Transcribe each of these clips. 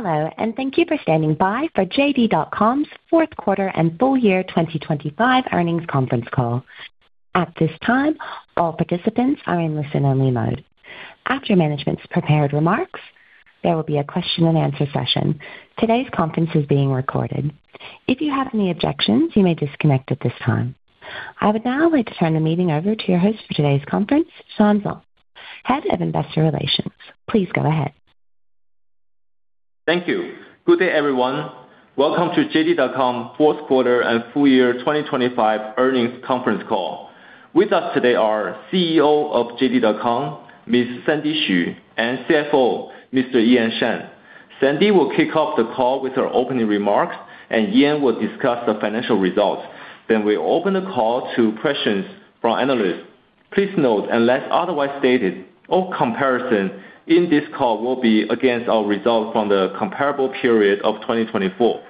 Hello, thank you for standing by for JD.com's Fourth Quarter and Full-Year 2025 Earnings Conference Call. At this time, all participants are in listen-only mode. After management's prepared remarks, there will be a question-and-answer session. Today's conference is being recorded. If you have any objections, you may disconnect at this time. I would now like to turn the meeting over to your host for today's conference, Sean Zhang, Head of Investor Relations. Please go ahead. Thank you. Good day, everyone. Welcome to JD.com Fourth Quarter and Full-Year 2025 earnings conference call. With us today are CEO of JD.com, Ms. Sandy Xu, and CFO, Mr. Ian Shan. Sandy will kick off the call with her opening remarks, and Ian will discuss the financial results. We'll open the call to questions from analysts. Please note, unless otherwise stated, all comparison in this call will be against our results from the comparable period of 2024.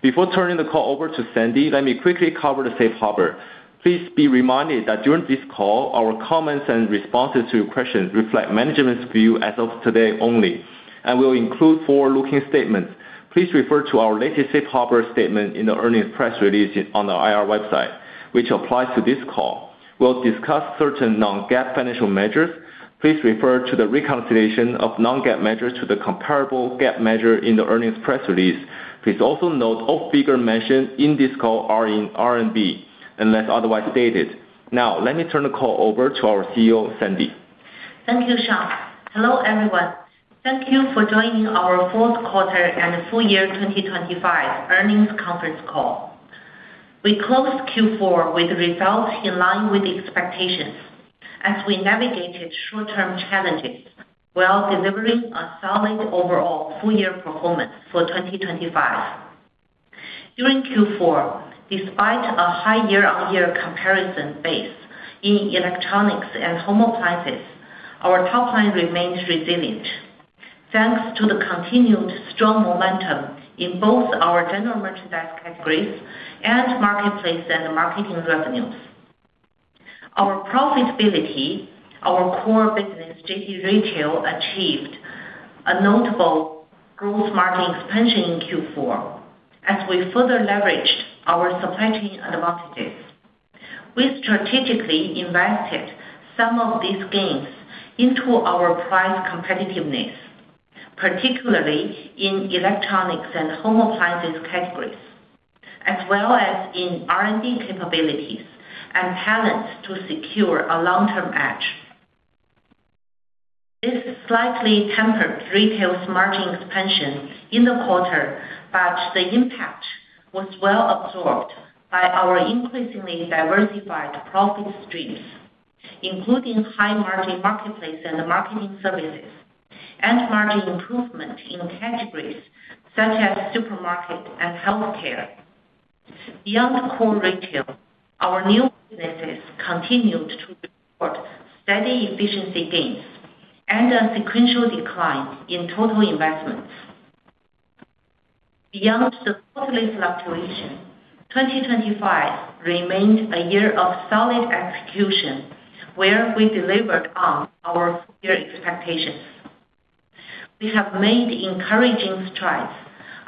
Before turning the call over to Sandy, let me quickly cover the safe harbor. Please be reminded that during this call, our comments and responses to questions reflect management's view as of today only and will include forward-looking statements. Please refer to our latest safe harbor statement in the earnings press release on our IR website, which applies to this call. We'll discuss certain non-GAAP financial measures. Please refer to the reconciliation of non-GAAP measures to the comparable GAAP measure in the earnings press release. Please also note all figures mentioned in this call are in RMB, unless otherwise stated. Let me turn the call over to our CEO, Sandy. Thank you, Sean. Hello, everyone. Thank you for joining our fourth quarter and full-year 2025 earnings conference call. We closed Q4 with results in line with expectations as we navigated short-term challenges while delivering a solid overall full-year performance for 2025. During Q4, despite a high year-on-year comparison base in electronics and home appliances, our top line remains resilient. Thanks to the continued strong momentum in both our general merchandise categories and marketplace and marketing revenues. Our profitability, our core business, JD Retail, achieved a notable growth margin expansion in Q4 as we further leveraged our supply chain advantages. We strategically invested some of these gains into our price competitiveness, particularly in electronics and home appliances categories, as well as in R&D capabilities and talents to secure a long-term edge. This slightly tempered retail's margin expansion in the quarter. The impact was well absorbed by our increasingly diversified profit streams, including high-margin marketplace and marketing services and margin improvement in categories such as supermarket and healthcare. Beyond core retail, our new businesses continued to report steady efficiency gains and a sequential decline in total investments. Beyond the quarterly fluctuation, 2025 remained a year of solid execution where we delivered on our full-year expectations. We have made encouraging strides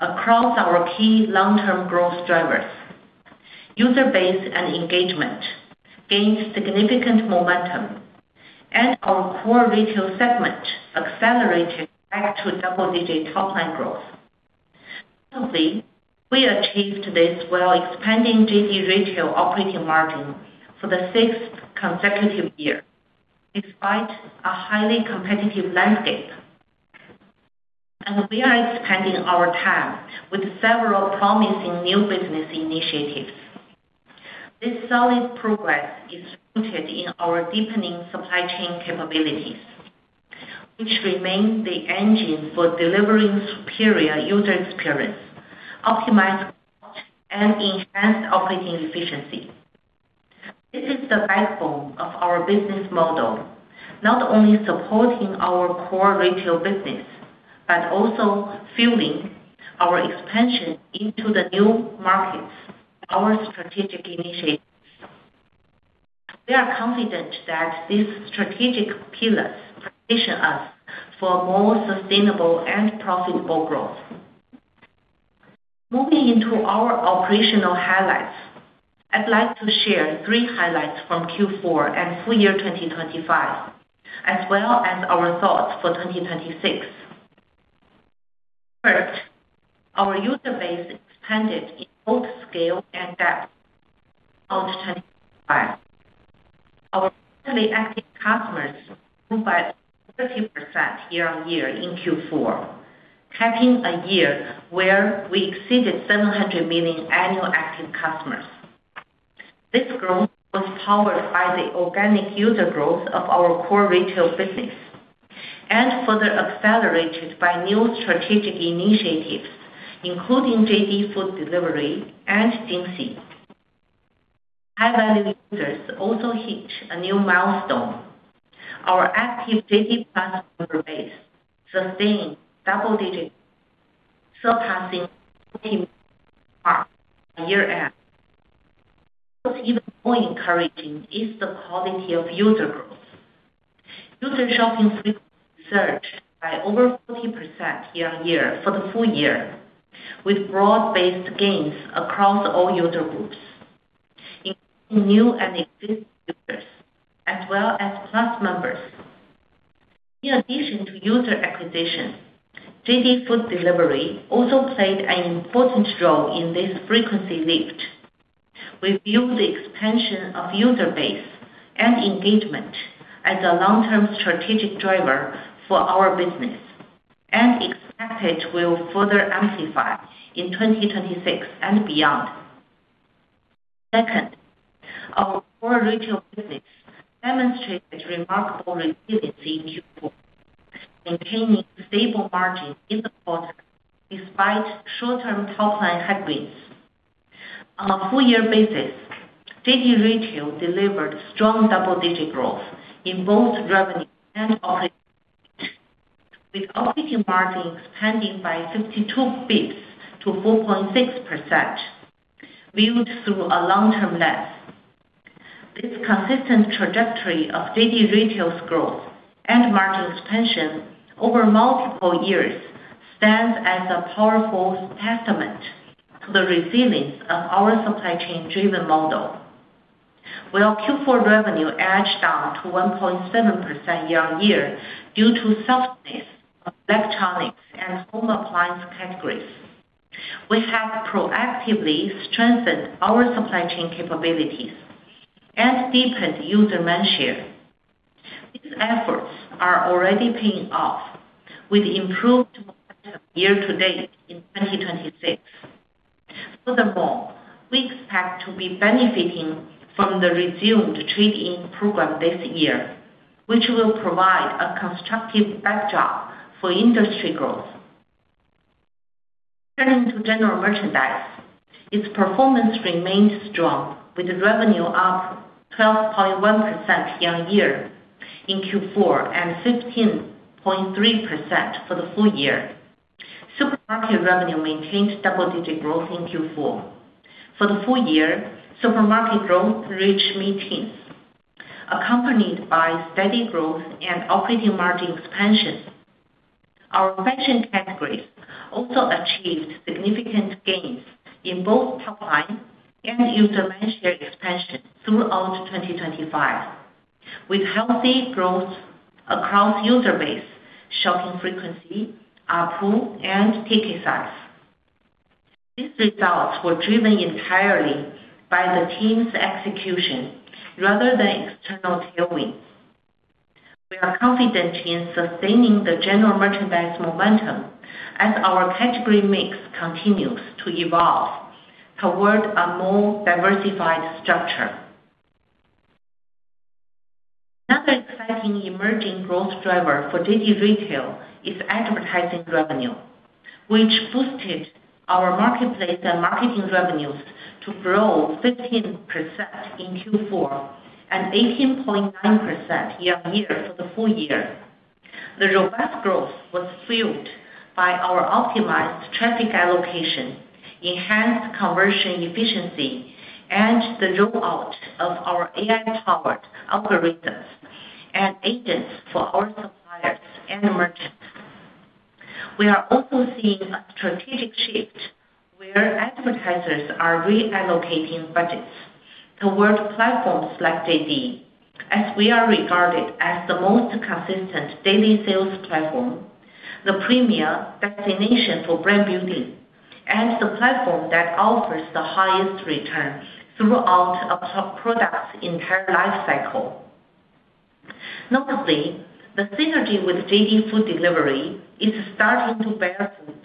across our key long-term growth drivers. User base and engagement gained significant momentum. Our core retail segment accelerated back to double-digit top line growth. Currently, we achieved this while expanding JD Retail operating margin for the sixth consecutive year, despite a highly competitive landscape. We are expanding our TAM with several promising new business initiatives. This solid progress is rooted in our deepening supply chain capabilities, which remains the engine for delivering superior user experience, optimize cost, and enhance operating efficiency. This is the backbone of our business model, not only supporting our core retail business, but also fueling our expansion into the new markets, our strategic initiatives. We are confident that these strategic pillars position us for more sustainable and profitable growth. Moving into our operational highlights, I'd like to share three highlights from Q4 and full-year 2025, as well as our thoughts for 2026. First, our user base expanded in both scale and depth throughout 2025. Our monthly active customers grew by 30% year-on-year in Q4, capping a year where we exceeded 700 million annual active customers. This growth was powered by the organic user growth of our core retail business and further accelerated by new strategic initiatives, including JD Food Delivery and Jingxi. High-value users also hit a new milestone. Our active JD PLUS member base sustained double digits, surpassing 20 million ARPU year-over-year. What's even more encouraging is the quality of user growth. User shopping frequency surged by over 40% year-on-year for the full year, with broad-based gains across all user groups, including new and existing users, as well as PLUS members. In addition to user acquisition, JD Food Delivery also played an important role in this frequency lift. We view the expansion of user base and engagement as a long-term strategic driver for our business and expect it will further amplify in 2026 and beyond. Second, our core retail business demonstrated remarkable resiliency in Q4, maintaining stable margin in the quarter despite short-term top-line headwinds. On a full-year basis, JD Retail delivered strong double-digit growth in both revenue and operating margin, with operating margin expanding by 52 bps to 4.6%. Viewed through a long-term lens, this consistent trajectory of JD Retail's growth and margin expansion over multiple years stands as a powerful testament to the resilience of our supply chain-driven model. While Q4 revenue edged down to 1.7% year-on-year due to softness of electronics and home appliance categories, we have proactively strengthened our supply chain capabilities and deepened user mindshare. These efforts are already paying off with improved momentum year-to-date in 2026. Furthermore, we expect to be benefiting from the resumed trade-in program this year, which will provide a constructive backdrop for industry growth. Turning to general merchandise, its performance remains strong, with revenue up 12.1% year-on-year in Q4 and 15.3% for the full year. Supermarket revenue maintained double-digit growth in Q4. For the full year, supermarket growth reached mid-teens, accompanied by steady growth and operating margin expansion. Our fashion categories also achieved significant gains in both top line and user mindshare expansion throughout 2025, with healthy growth across user base, shopping frequency, ARPU, and ticket size. These results were driven entirely by the team's execution rather than external tailwinds. We are confident in sustaining the general merchandise momentum as our category mix continues to evolve toward a more diversified structure. Another exciting emerging growth driver for JD Retail is advertising revenue, which boosted our marketplace and marketing revenues to grow 15% in Q4 and 18.9% year-on-year for the full year. The robust growth was fueled by our optimized traffic allocation, enhanced conversion efficiency, and the rollout of our AI-powered algorithms and agents for our suppliers and merchants. We are also seeing a strategic shift where advertisers are reallocating budgets towards platforms like JD as we are regarded as the most consistent daily sales platform, the premier destination for brand building, and the platform that offers the highest return throughout a product's entire life cycle. Notably, the synergy with JD Food Delivery is starting to bear fruit,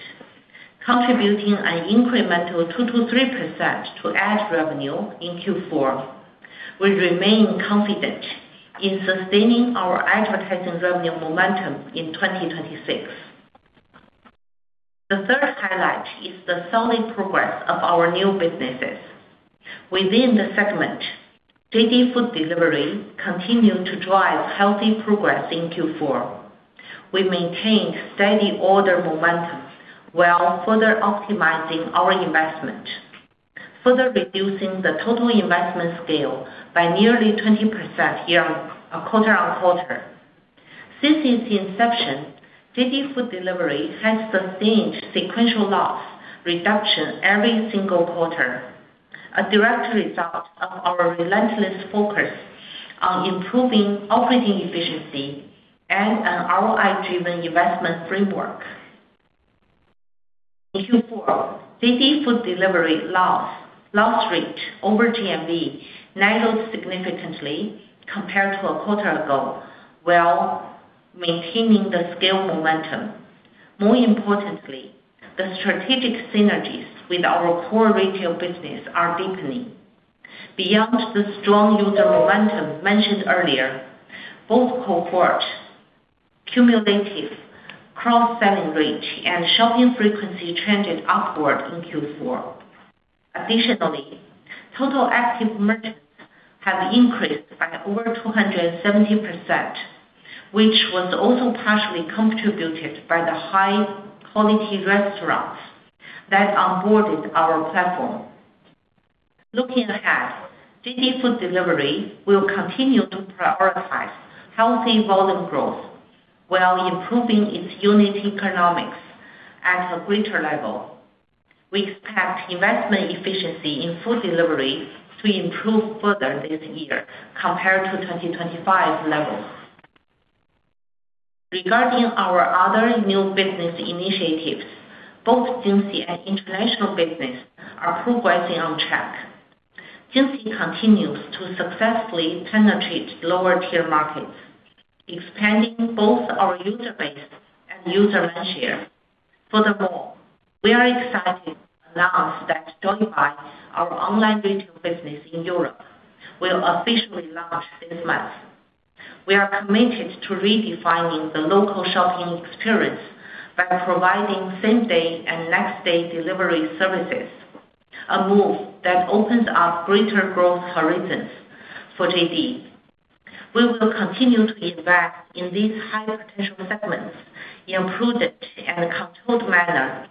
contributing an incremental 2%-3% to ad revenue in Q4. We remain confident in sustaining our advertising revenue momentum in 2026. The third highlight is the solid progress of our new businesses. Within the segment, JD Food Delivery continued to drive healthy progress in Q4. We maintained steady order momentum while further optimizing our investment, further reducing the total investment scale by nearly 20% quarter-on-quarter. Since its inception, JD Food Delivery has sustained sequential loss reduction every single quarter, a direct result of our relentless focus on improving operating efficiency and an ROI-driven investment framework. In Q4, JD Food Delivery loss rate over GMV narrowed significantly compared to a quarter ago while maintaining the scale momentum. More importantly, the strategic synergies with our core retail business are deepening. Beyond the strong user momentum mentioned earlier, both cohort cumulative cross-selling rate and shopping frequency trended upward in Q4. Additionally, total active merchants have increased by over 270%. Which was also partially contributed by the high-quality restaurants that onboarded our platform. Looking ahead, JD Food Delivery will continue to prioritize healthy volume growth while improving its unit economics at a greater level. We expect investment efficiency in food delivery to improve further this year compared to 2025 levels. Regarding our other new business initiatives, both Jingxi and international business are progressing on track. Jingxi continues to successfully penetrate lower-tier markets, expanding both our user base and user land share. Furthermore, we are excited to announce that Joybuy, our online retail business in Europe, will officially launch this month. We are committed to redefining the local shopping experience by providing same-day and next-day delivery services, a move that opens up greater growth horizons for JD. We will continue to invest in these high potential segments in a prudent and controlled manner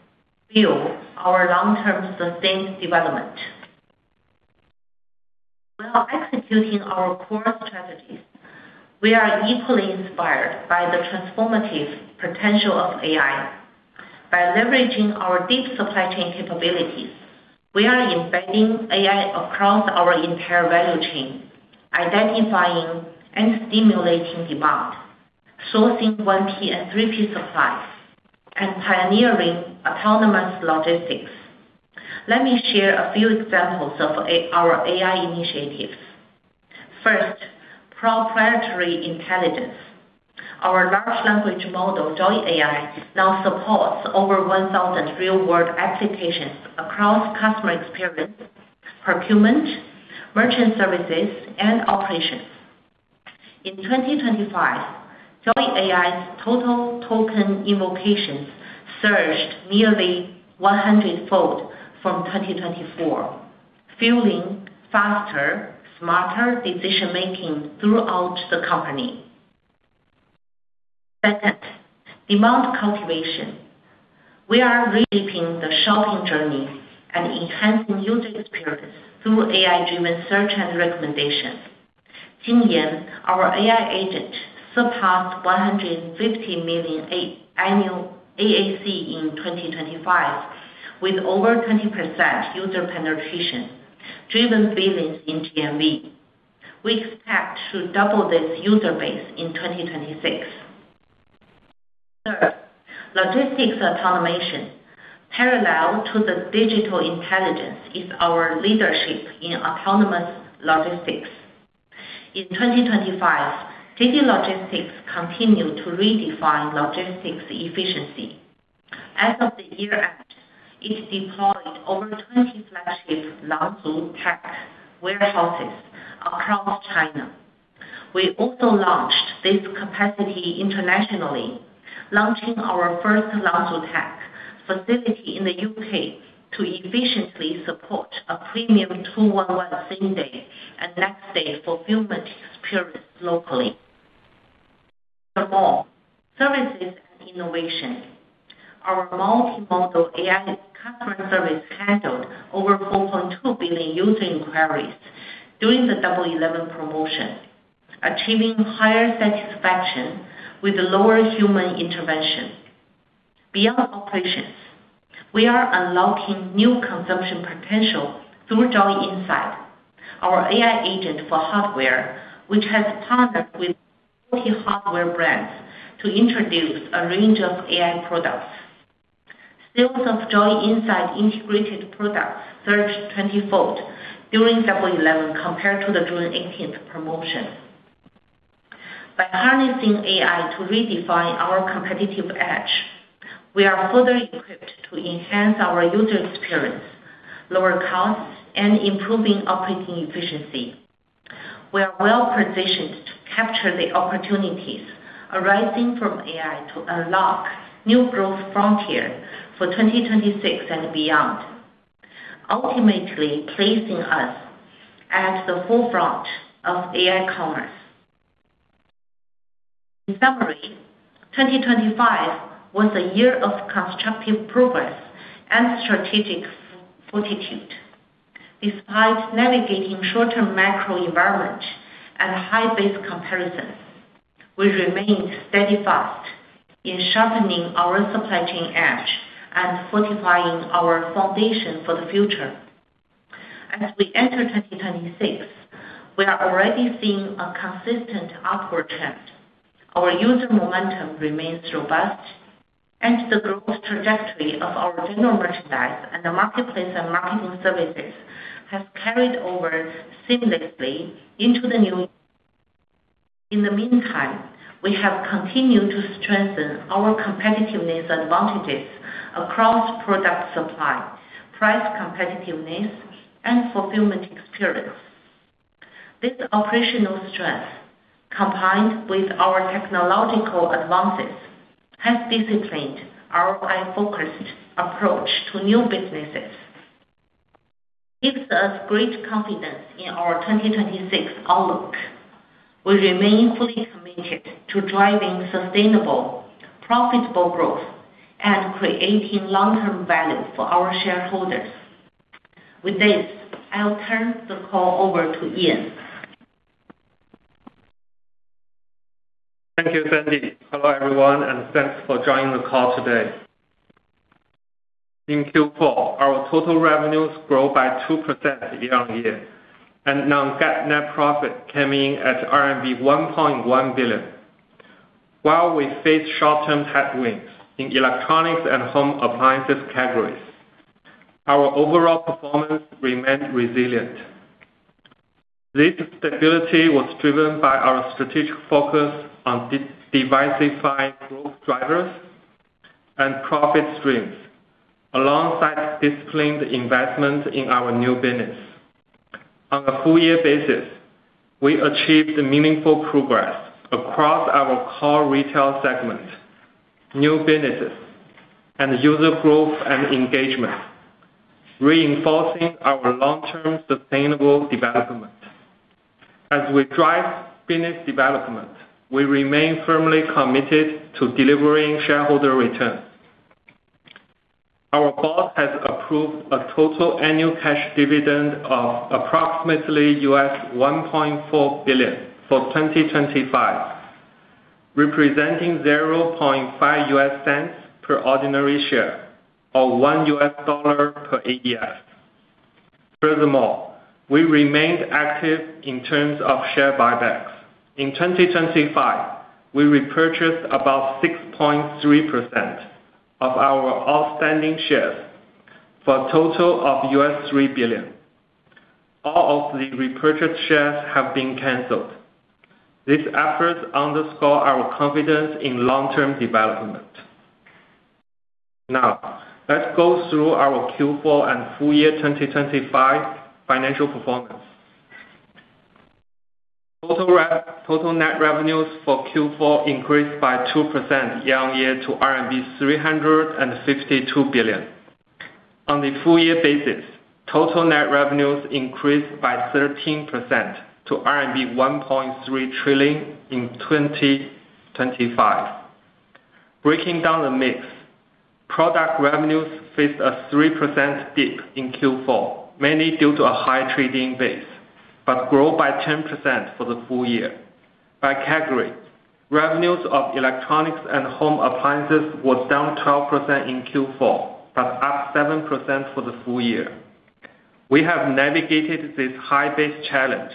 view our long-term sustained development. While executing our core strategies, we are equally inspired by the transformative potential of AI. By leveraging our deep supply chain capabilities, we are embedding AI across our entire value chain, identifying and stimulating demand, sourcing 1P and 3P supplies, and pioneering autonomous logistics. Let me share a few examples of our AI initiatives. First, proprietary intelligence. Our large language model, JoyAI, now supports over 1,000 real-world applications across customer experience, procurement, merchant services, and operations. In 2025, JoyAI's total token invocations surged nearly 100-fold from 2024, fueling faster, smarter decision-making throughout the company. Second, demand cultivation. We are reshaping the shopping journey and enhancing user experience through AI-driven search and recommendations. Jingyan, our AI agent, surpassed 150 million annual AAC in 2025 with over 20% user penetration, driven billions in GMV. We expect to double this user base in 2026. Third, logistics automation. Parallel to the digital intelligence is our leadership in autonomous logistics. In 2025, JD Logistics continued to redefine logistics efficiency. As of the year end, it deployed over 20 flagship LanZhu Tech warehouses across China. We also launched this capacity internationally, launching our first LanZhu Tech facility in the U.K. to efficiently support a premium 211 same-day and next-day fulfillment experience locally. Services and innovation. Our multimodal AI customer service handled over 4.2 billion user inquiries during the Double 11 promotion, achieving higher satisfaction with lower human intervention. Beyond operations, we are unlocking new consumption potential through JoyInside, our AI agent for hardware, which has partnered with 40 hardware brands to introduce a range of AI products. Sales of JoyInside integrated products surged 20-fold during Double 11 compared to the June 18th promotion. By harnessing AI to redefine our competitive edge, we are further equipped to enhance our user experience, lower costs, and improving operating efficiency. We are well-positioned to capture the opportunities arising from AI to unlock new growth frontier for 2026 and beyond, ultimately placing us at the forefront of AI commerce. 2025 was a year of constructive progress and strategic fortitude. Despite navigating short-term macro environment and high base comparisons, we remained steadfast in sharpening our supply chain edge and fortifying our foundation for the future. As we enter 2026, we are already seeing a consistent upward trend. Our user momentum remains robust, and the growth trajectory of our general merchandise and the marketplace and marketing services have carried over seamlessly into the new year. In the meantime, we have continued to strengthen our competitiveness advantages across product supply, price competitiveness, and fulfillment experience. This operational strength, combined with our technological advances, has disciplined our AI-focused approach to new businesses. Gives us great confidence in our 2026 outlook. We remain fully committed to driving sustainable, profitable growth and creating long-term value for our shareholders. With this, I'll turn the call over to Ian. Thank you, Sandy. Hello, everyone, thanks for joining the call today. In Q4, our total revenues grew by 2% year-over-year, non-GAAP net profit came in at RMB 1.1 billion. While we face short-term headwinds in electronics and home appliances categories, our overall performance remained resilient. This stability was driven by our strategic focus on diversifying growth drivers and profit streams, alongside disciplined investment in our new business. On a full-year basis, we achieved meaningful progress across our core retail segment, new businesses and user growth and engagement, reinforcing our long-term sustainable development. As we drive business development, we remain firmly committed to delivering shareholder returns. Our Board has approved a total annual cash dividend of approximately $1.4 billion for 2025, representing $0.005 per ordinary share or $1 per ADS. Furthermore, we remained active in terms of share buybacks. In 2025, we repurchased about 6.3% of our outstanding shares for a total of $3 billion. All of the repurchased shares have been canceled. These efforts underscore our confidence in long-term development. Now, let's go through our Q4 and full-year 2025 financial performance. Total net revenues for Q4 increased by 2% year-on-year to RMB 352 billion. On the full-year basis, total net revenues increased by 13% to RMB 1.3 trillion in 2025. Breaking down the mix, product revenues faced a 3% dip in Q4, mainly due to a high trading base, but grew by 10% for the full year. By category, revenues of electronics and home appliances was down 12% in Q4, but up 7% for the full year. We have navigated this high base challenge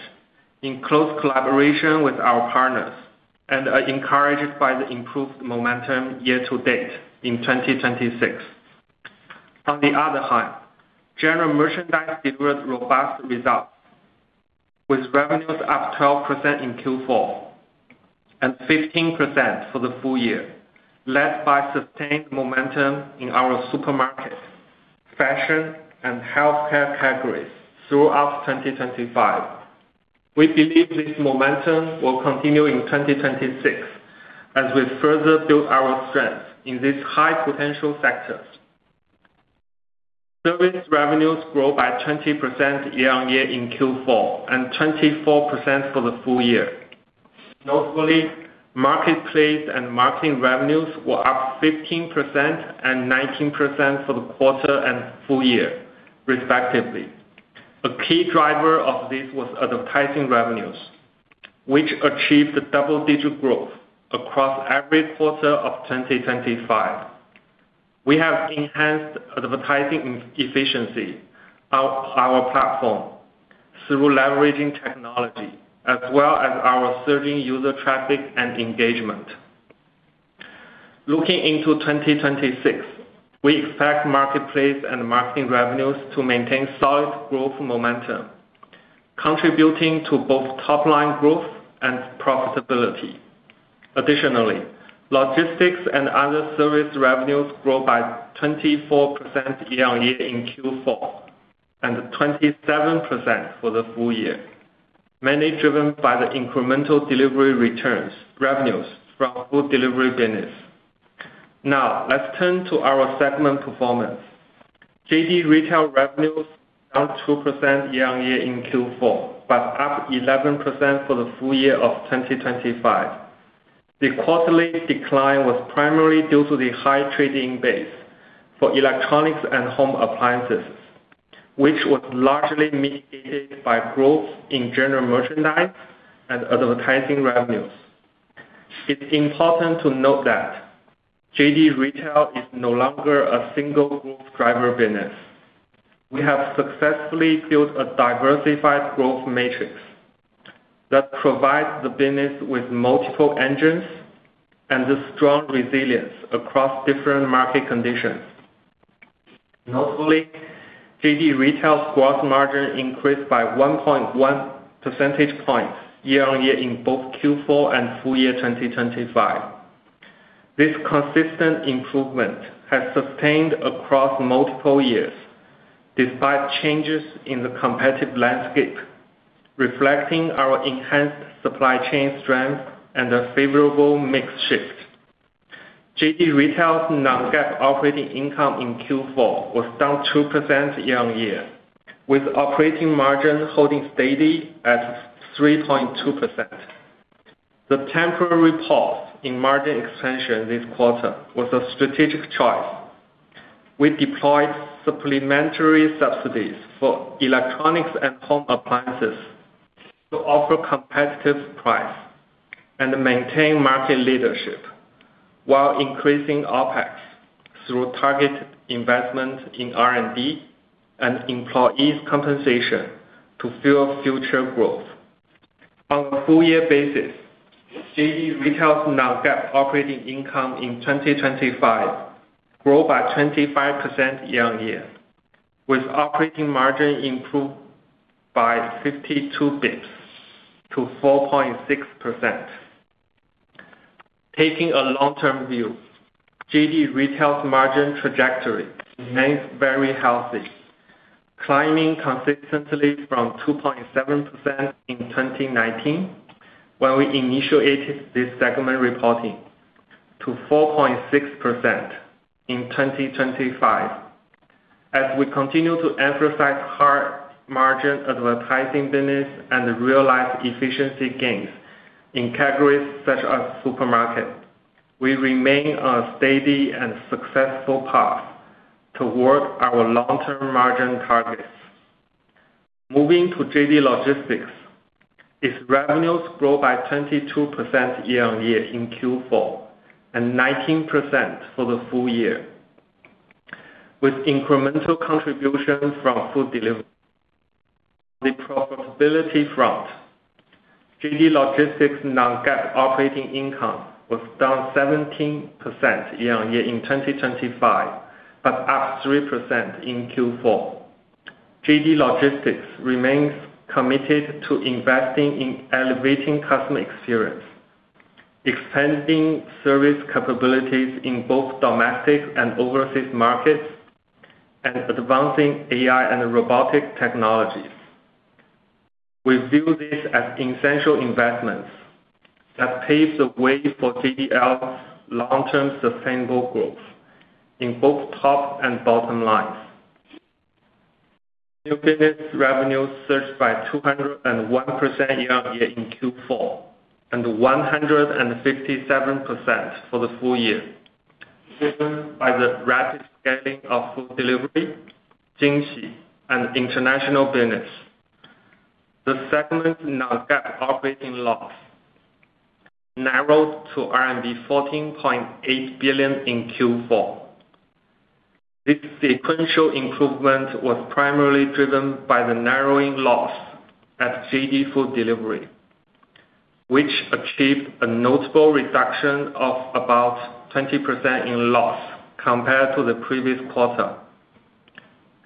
in close collaboration with our partners and are encouraged by the improved momentum year-to-date in 2026. General merchandise delivered robust results with revenues up 12% in Q4 and 15% for the full year, led by sustained momentum in our supermarket, fashion, and healthcare categories throughout 2025. We believe this momentum will continue in 2026 as we further build our strength in these high potential sectors. Service revenues grow by 20% year-on-year in Q4, and 24% for the full year. Notably, marketplace and marketing revenues were up 15% and 19% for the quarter and full year, respectively. A key driver of this was advertising revenues, which achieved double-digit growth across every quarter of 2025. We have enhanced advertising efficiency on our platform through leveraging technology as well as our surging user traffic and engagement. Looking into 2026, we expect marketplace and marketing revenues to maintain solid growth momentum, contributing to both top line growth and profitability. Logistics and other service revenues grow by 24% year-on-year in Q4 and 27% for the full year, mainly driven by the incremental delivery returns revenues from food delivery business. Let's turn to our segment performance. JD Retail revenues down 2% year-on-year in Q4, but up 11% for the full year of 2025. The quarterly decline was primarily due to the high trading base for electronics and home appliances, which was largely mitigated by growth in general merchandise and advertising revenues. It's important to note that JD Retail is no longer a single growth driver business. We have successfully built a diversified growth matrix that provides the business with multiple engines and a strong resilience across different market conditions. Notably, JD Retail's gross margin increased by 1.1 percentage points year-on-year in both Q4 and full-year 2025. This consistent improvement has sustained across multiple years despite changes in the competitive landscape, reflecting our enhanced supply chain strength and a favorable mix shift. JD Retail's non-GAAP operating income in Q4 was down 2% year-on-year, with operating margin holding steady at 3.2%. The temporary pause in margin expansion this quarter was a strategic choice. We deployed supplementary subsidies for electronics and home appliances to offer competitive price and maintain market leadership while increasing OpEx through targeted investment in R&D and employees compensation to fuel future growth. On a full-year basis, JD Retail's non-GAAP operating income in 2025 grow by 25% year-on-year, with operating margin improved by 52 bps to 4.6%. Taking a long-term view, JD Retail's margin trajectory remains very healthy, climbing consistently from 2.7% in 2019 when we initiated this segment reporting, to 4.6% in 2025. As we continue to emphasize hard margin advertising business and realize efficiency gains in categories such as supermarket, we remain on a steady and successful path toward our long-term margin targets. Moving to JD Logistics, its revenues grow by 22% year-on-year in Q4, and 19% for the full year. With incremental contributions from food delivery. On the profitability front, JD Logistics non-GAAP operating income was down 17% year-on-year in 2025, but up 3% in Q4. JD Logistics remains committed to investing in elevating customer experience, expanding service capabilities in both domestic and overseas markets, and advancing AI and robotic technologies. We view this as essential investments that paves the way for JDL's long-term sustainable growth in both top and bottom lines. New business revenues searched by 201% year-on-year in Q4, and 157% for the full year, driven by the rapid scaling of food delivery, Jingxi, and international business. The segment's non-GAAP operating loss narrowed to RMB 14.8 billion in Q4. This sequential improvement was primarily driven by the narrowing loss at JD Food Delivery, which achieved a notable reduction of about 20% in loss compared to the previous quarter,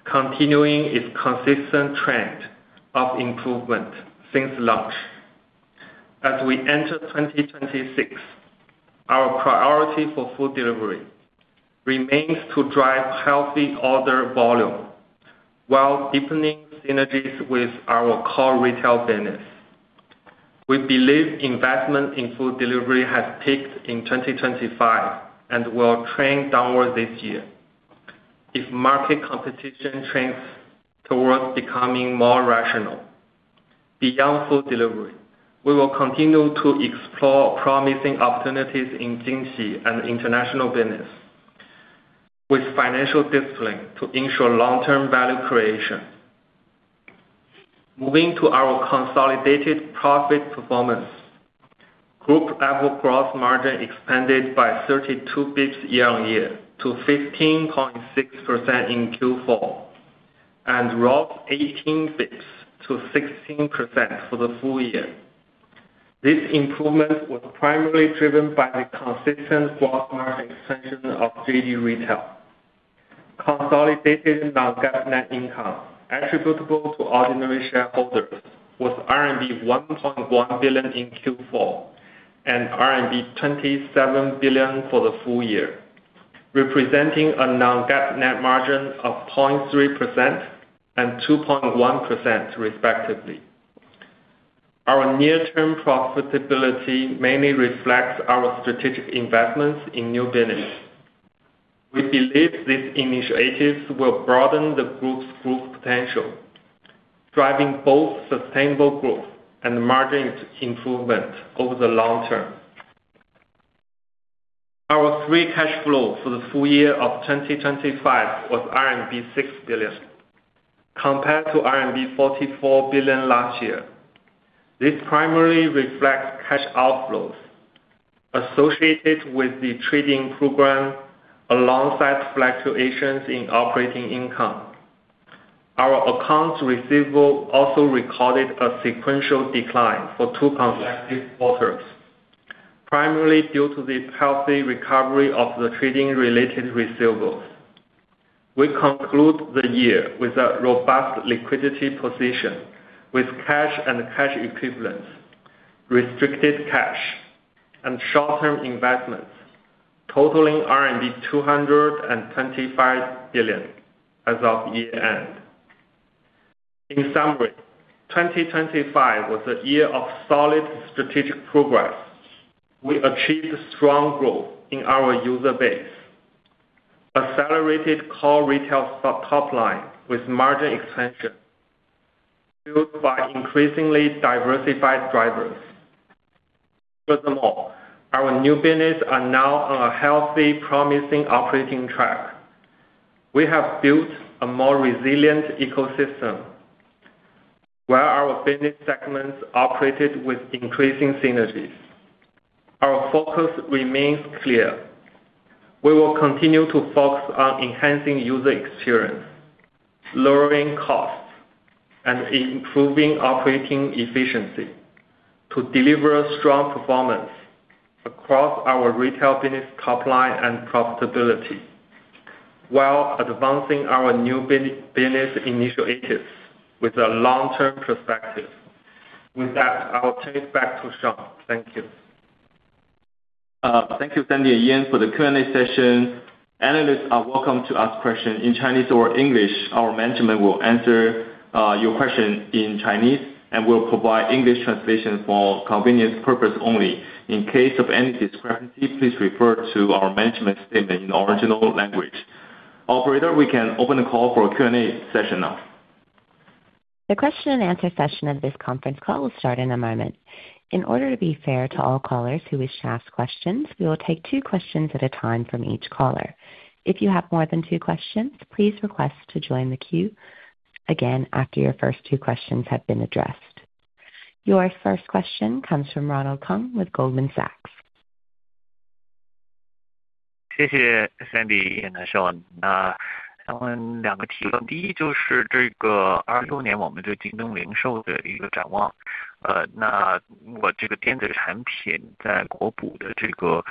continuing its consistent trend of improvement since launch. As we enter 2026, our priority for food delivery remains to drive healthy order volume while deepening synergies with our core retail business. We believe investment in food delivery has peaked in 2025 and will trend downward this year if market competition trends towards becoming more rational. Beyond food delivery, we will continue to explore promising opportunities in Jingxi and international business with financial discipline to ensure long-term value creation. Moving to our consolidated profit performance. Group-level gross margin expanded by 32 bps year-on-year to 15.6% in Q4, and rose 18 bps to 16% for the full year. This improvement was primarily driven by the consistent gross margin expansion of JD Retail. Consolidated non-GAAP net income attributable to ordinary shareholders was RMB 1.1 billion in Q4 and RMB 27 billion for the full year, representing a non-GAAP net margin of 0.3% and 2.1% respectively. Our near-term profitability mainly reflects our strategic investments in new business. We believe these initiatives will broaden the group's growth potential, driving both sustainable growth and margin improvement over the long term. Our free cash flow for the full year of 2025 was RMB 6 billion compared to RMB 44 billion last year. This primarily reflects cash outflows associated with the trade-in program alongside fluctuations in operating income. Our accounts receivable also recorded a sequential decline for two consecutive quarters, primarily due to the healthy recovery of the trade-in-related receivables. We conclude the year with a robust liquidity position with cash and cash equivalents, restricted cash, and short-term investments totaling RMB 225 billion as of year-end. In summary, 2025 was the year of solid strategic progress. We achieved strong growth in our user base, accelerated core retail top line with margin expansion built by increasingly diversified drivers. Furthermore, our new business are now on a healthy, promising operating track. We have built a more resilient ecosystem where our business segments operated with increasing synergies. Our focus remains clear. We will continue to focus on enhancing user experience, lowering costs and improving operating efficiency to deliver strong performance across our retail business top line and profitability while advancing our new business initiatives with a long-term perspective. With that, I'll turn it back to Sean. Thank you. Thank you, Sandy and Ian. For the Q&A session, analysts are welcome to ask questions in Chinese or English. Our management will answer your question in Chinese and will provide English translation for convenience purpose only. In case of any discrepancy, please refer to our management statement in original language. Operator, we can open the call for Q&A session now. The question-and-answer session of this conference call will start in a moment. In order to be fair to all callers who wish to ask questions, we will take two questions at a time from each caller. If you have more than two questions, please request to join the queue again after your first two questions have been addressed. Your first question comes from Ronald Keung with Goldman Sachs. 谢谢 Sandy 和 Sean。那我想问两个题 目， 第一就是这个二周年我们对京东零售的一个展 望， 呃， 那如果这个电子产品在国补的这个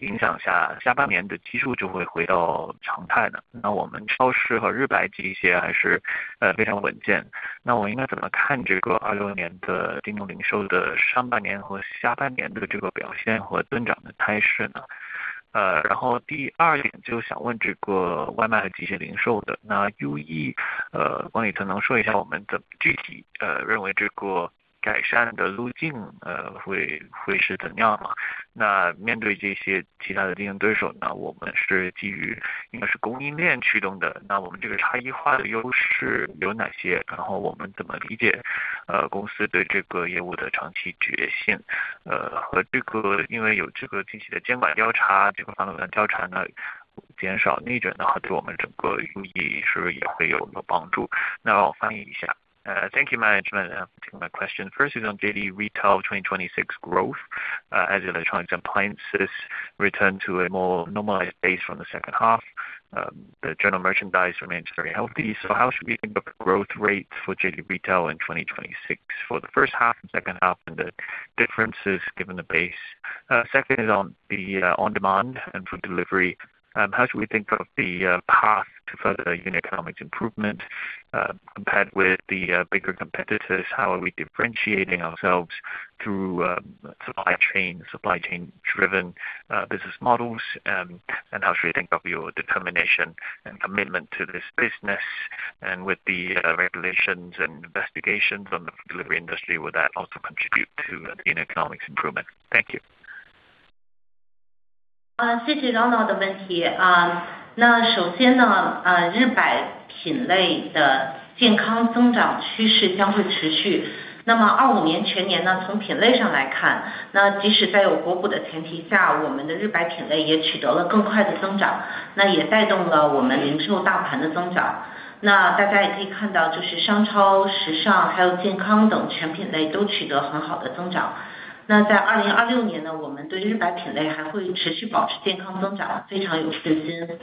影响 下， 下半年的基数就会回到常态呢 ？那 我们超市和日百这些还是非常稳 健， 那我应该怎么看这个二六年的京东零售的上半年和下半年的这个表现和增长的态势 呢？ 呃， 然后第二点就想问这个外卖和即时零售的那 UE， 呃， 方宇可能说一下我们的具 体， 呃， 认为这个改善的路 径， 呃， 会会是怎样 吗？ 那面对这些其他的竞争对 手， 那我们是基于应该是供应链驱动 的， 那我们这个差异化的优势有哪 些？ 然后我们怎么理 解， 呃， 公司对这个业务的长期决 心， 呃， 和这个因为有这个近期的监管调 查， 这个反垄断调查 呢， 减少内 卷， 然后对我们整个 UE 是不是也会有什么帮 助？ 那我翻译一下。Thank you management. Taking my question first is on JD Retail 2026 growth as electronics appliances return to a more normalized base from the second half. The general merchandise remains very healthy. How should we think the growth rate for JD Retail in 2026 for the first half and second half and the differences given the base? Second is on the on demand and food delivery. How should we think of the path to further unit economics improvement compared with the bigger competitors? How are we differentiating ourselves through supply chain, supply chain driven business models? How should we think of your determination and commitment to this business and with the regulations and investigations on the delivery industry, will that also contribute to unit economics improvement? Thank you. 谢谢 Ronald 的问题。首先 呢， 日百品类的健康增长趋势将会持续。2025年全年 呢， 从品类上来 看， 即使在有国补的前提 下， 我们的日百品类也取得了更快的增 长， 也带动了我们零售大盘的增长。大家也可以看 到， 就是商超、时尚还有健康等全品类都取得很好的增长。在2026年 呢， 我们对日百品类还会持续保持健康增长非常有信心。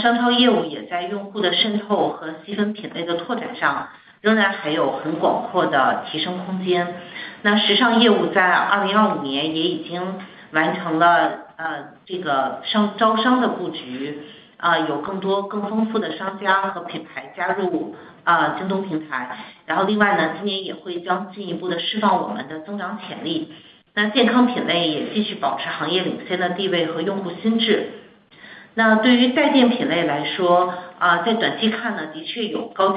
商超业务也在用户的渗透和细分品类的拓展上仍然还有很广阔的提升空间。时尚业务在2025年也已经完成了招商的布 局， 有更多更丰富的商家和品牌加入 JD.com 平台。另外 呢， 今年也会将进一步地释放我们的增长潜力，健康品类也继续保持行业领先的地位和用户心智。对于在电品类来 说， 在短期看 呢， 的确有高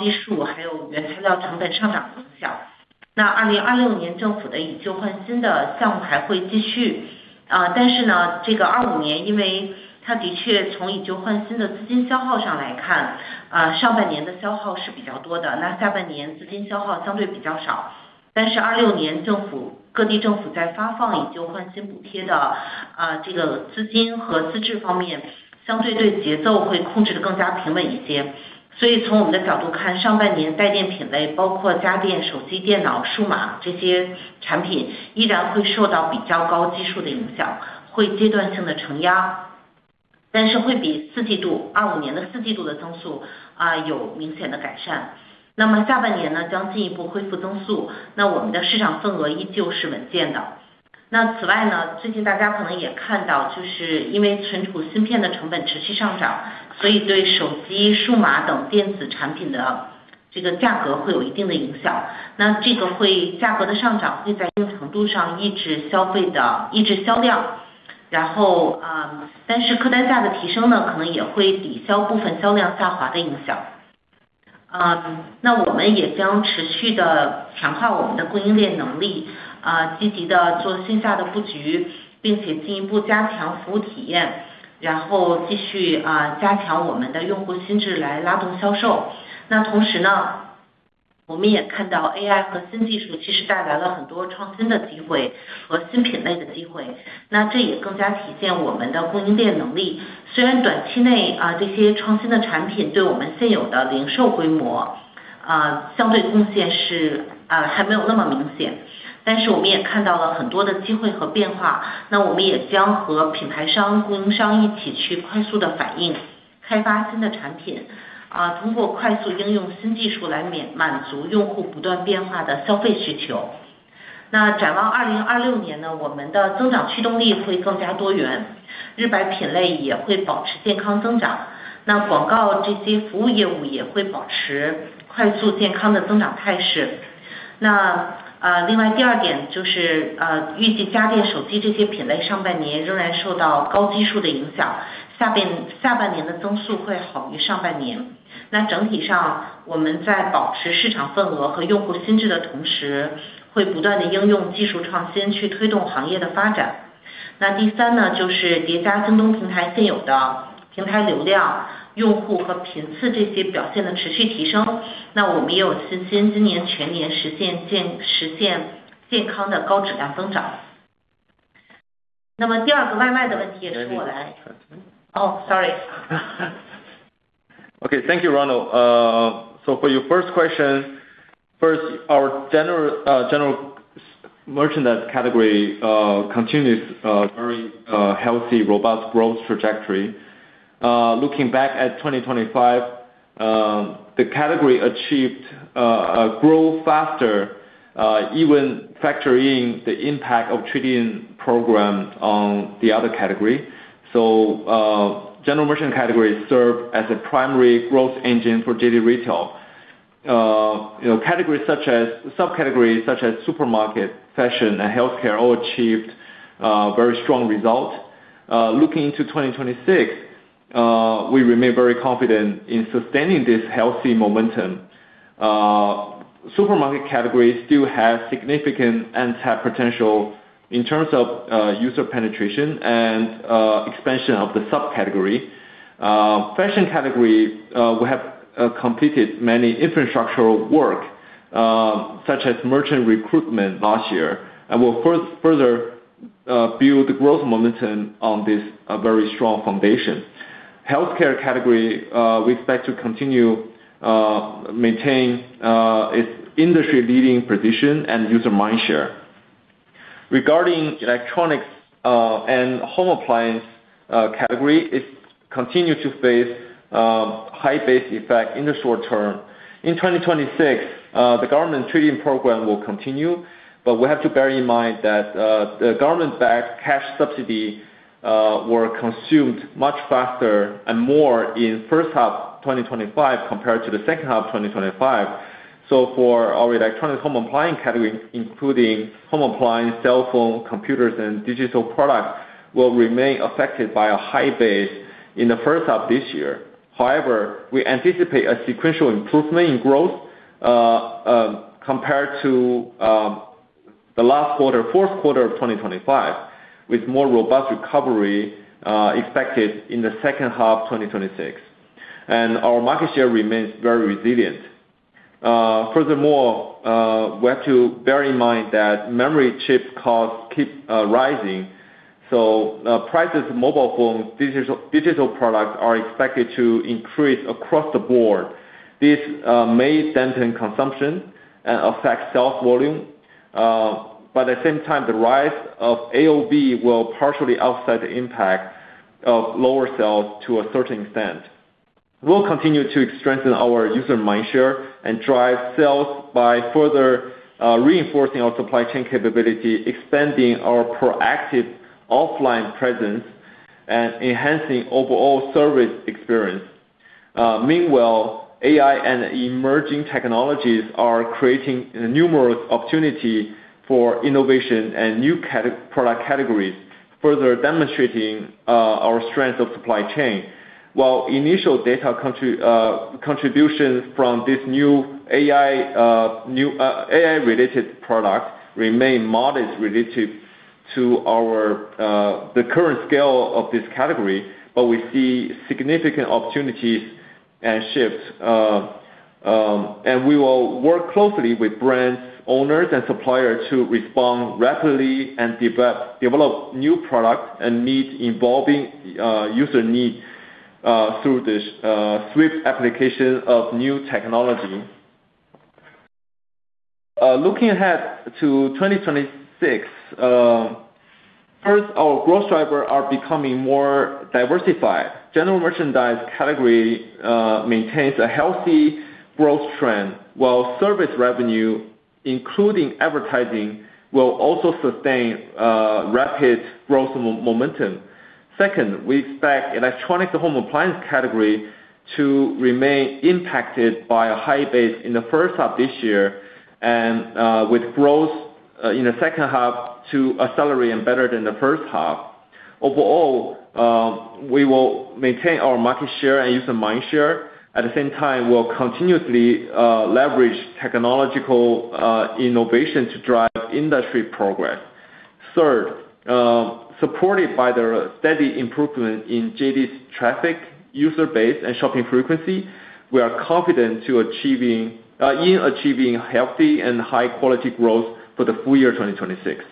基数，还有 Okay, thank you Ronald Keung. For your first question, first our general merchandise category continues very healthy, robust growth trajectory. Looking back at 2025, the category achieved growth faster, even factoring the impact of trade-in program on the other category. General merchant category serve as a primary growth engine for JD Retail. You know, subcategories such as supermarket, fashion, and healthcare all achieved very strong result. Looking into 2026, we remain very confident in sustaining this healthy momentum. Supermarket category still has significant and tap potential in terms of user penetration and expansion of the subcategory. Fashion category, we have completed many infrastructural work, such as merchant recruitment last year, and we'll further build growth momentum on this very strong foundation. Healthcare category, we expect to continue maintain its industry leading position and user mindshare. Regarding electronics and home appliance category, it's continue to face high base effect in the short term. In 2026, the government trade-in program will continue, we have to bear in mind that the government-backed cash subsidy were consumed much faster and more in first half 2025 compared to the second half of 2025. For our electronic home appliance category, including home appliance, cell phone, computers and digital products, will remain affected by a high base in the first half this year. However, we anticipate a sequential improvement in growth compared to the fourth quarter of 2025, with more robust recovery expected in the second half 2026. Our market share remains very resilient. Furthermore, we have to bear in mind that memory chip costs keep rising. Prices mobile phone, digital products are expected to increase across the board. This may dampen consumption and affect sales volume. By the same time, the rise of AOB will partially offset the impact of lower cells to $0.13. We will continue to strengthen our user mindshare and drive sales by further reinforcing our supply chain capability, expanding our proactive offline presence, and enhancing all service experience. Meanwhile, AI and emerging technologies are creating numerous opportunity for innovation and new product categories, further demonstrating our strength of supply chain. While initial data contributions from this new AI-related product remain modest related to our current scale of this category. But we see significant opportunity and shift and we will work closely with brand owners and suppliers to respond rapidly and develop new products and need involving user need through this swift application of new technology. Looking ahead to 2026, our growth drivers are becoming more diversified. General merchandise category maintains a healthy growth trend, while service revenue including advertising will also sustain rapid growth momentum. Second, we expect electronic home appliance category to remain impacted by a high base in the first half of this year. And with this growth in the second half to a salary and better than the first half. Overall, we will maintain our market share and user mind share. At the same time, we'll continuously leverage technological innovation to drive industry progress. Third, supported by the steady improvement in JD's traffic, user base, and shopping frequency, we are confident in achieving healthy and high-quality growth for the full-year 2026.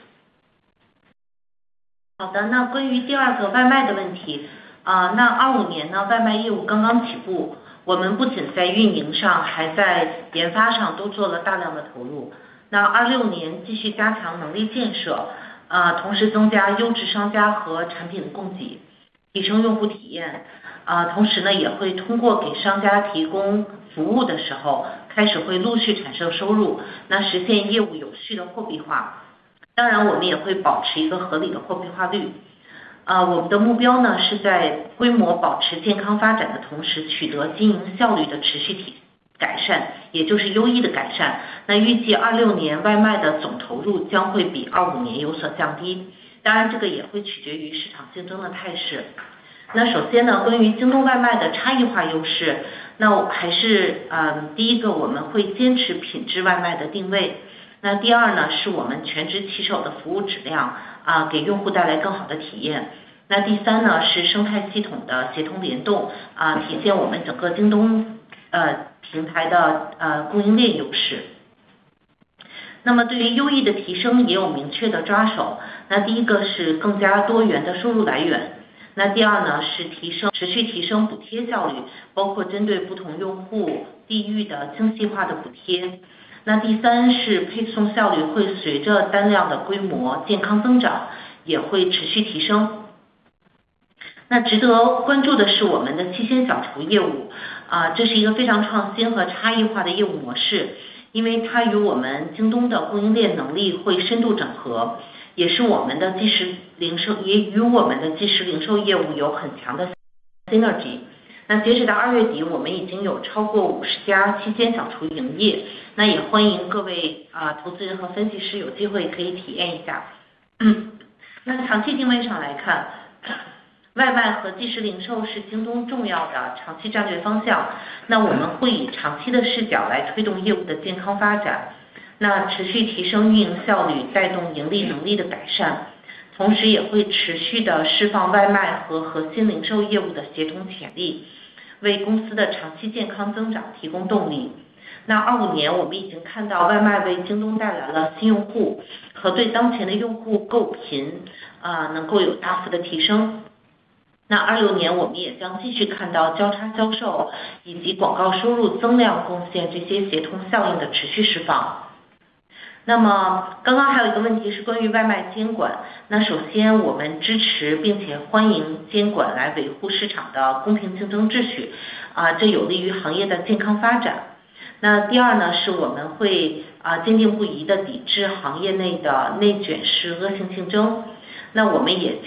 Regarding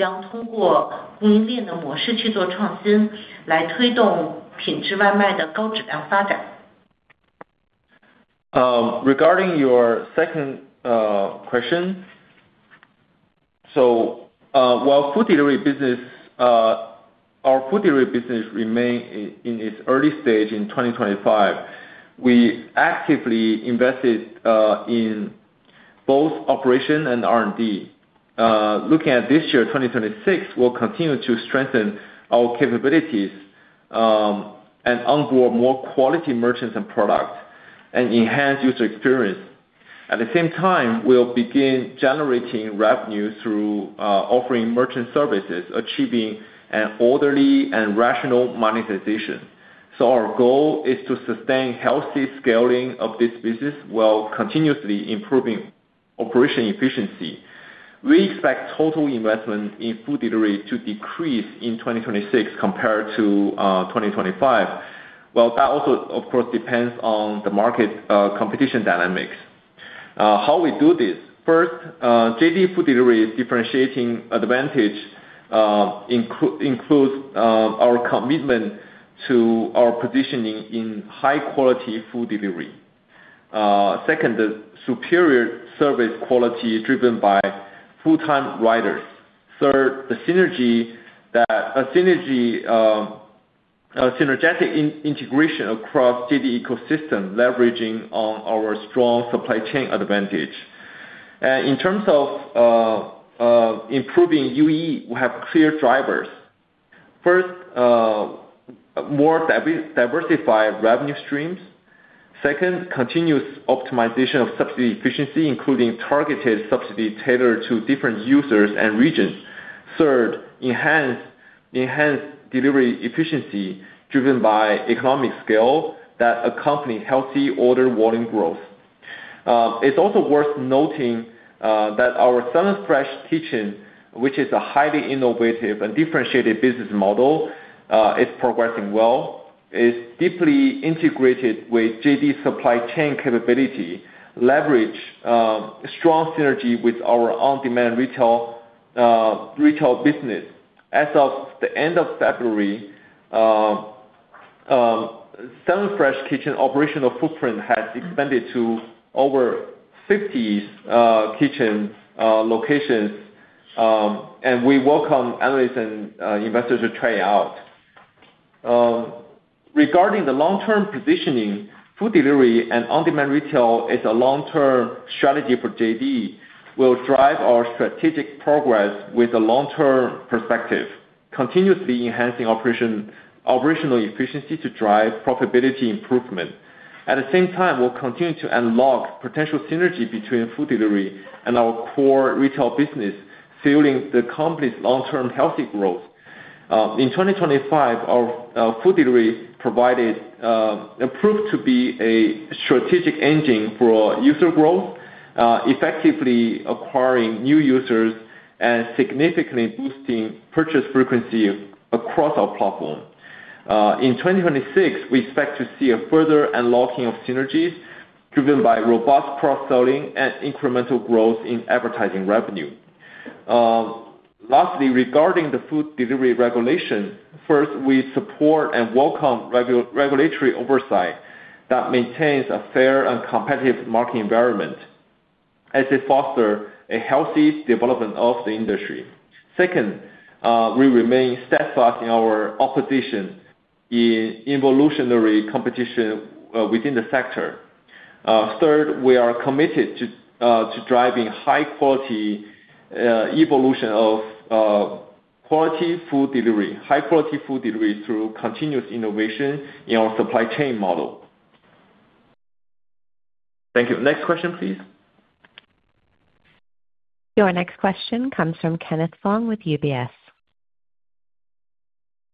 your second question. While our JD Food Delivery business remain in its early stage in 2025, we actively invested in both operation and R&D. Looking at this year, 2026, we'll continue to strengthen our capabilities and onboard more quality merchants and products and enhance user experience. At the same time, we'll begin generating revenue through offering merchant services, achieving an orderly and rational monetization. Our goal is to sustain healthy scaling of this business while continuously improving operation efficiency. We expect total investment in JD Food Delivery to decrease in 2026 compared to 2025, while that also, of course, depends on the market competition dynamics. How we do this? First, JD Food Delivery's differentiating advantage includes our commitment to our positioning in high-quality food delivery. Second, the superior service quality driven by full-time riders. Third, the synergy that a synergetic integration across JD ecosystem, leveraging on our strong supply chain advantage. In terms of improving UE, we have clear drivers. First, more diversified revenue streams. Second, continuous optimization of subsidy efficiency, including targeted subsidy tailored to different users and regions. Third, enhance delivery efficiency driven by economic scale that accompany healthy order volume growth. It's also worth noting that our Sun Fresh Kitchen, which is a highly innovative and differentiated business model, is progressing well, is deeply integrated with JD supply chain capability, leverage, strong synergy with our on-demand retail business. As of the end of February, Sun Fresh Kitchen operational footprint has expanded to over 50 kitchen locations. We welcome analysts and investors to try out. Regarding the long-term positioning, food delivery and on-demand retail is a long-term strategy for JD, will drive our strategic progress with a long-term perspective, continuously enhancing operational efficiency to drive profitability improvement. At the same time, we'll continue to unlock potential synergy between food delivery and our core retail business, fueling the company's long-term healthy growth. In 2025, our food delivery proved to be a strategic engine for user growth, effectively acquiring new users and significantly boosting purchase frequency across our platform. In 2026, we expect to see a further unlocking of synergies driven by robust cross-selling and incremental growth in advertising revenue. Lastly, regarding the food delivery regulation. First, we support and welcome regulatory oversight that maintains a fair and competitive market environment as they foster a healthy development of the industry. Second, we remain steadfast in our opposition in evolutionary competition within the sector. Third, we are committed to driving high quality evolution of high quality food delivery through continuous innovation in our supply chain model. Thank you. Next question please. Your next question comes from Kenneth Fong with UBS.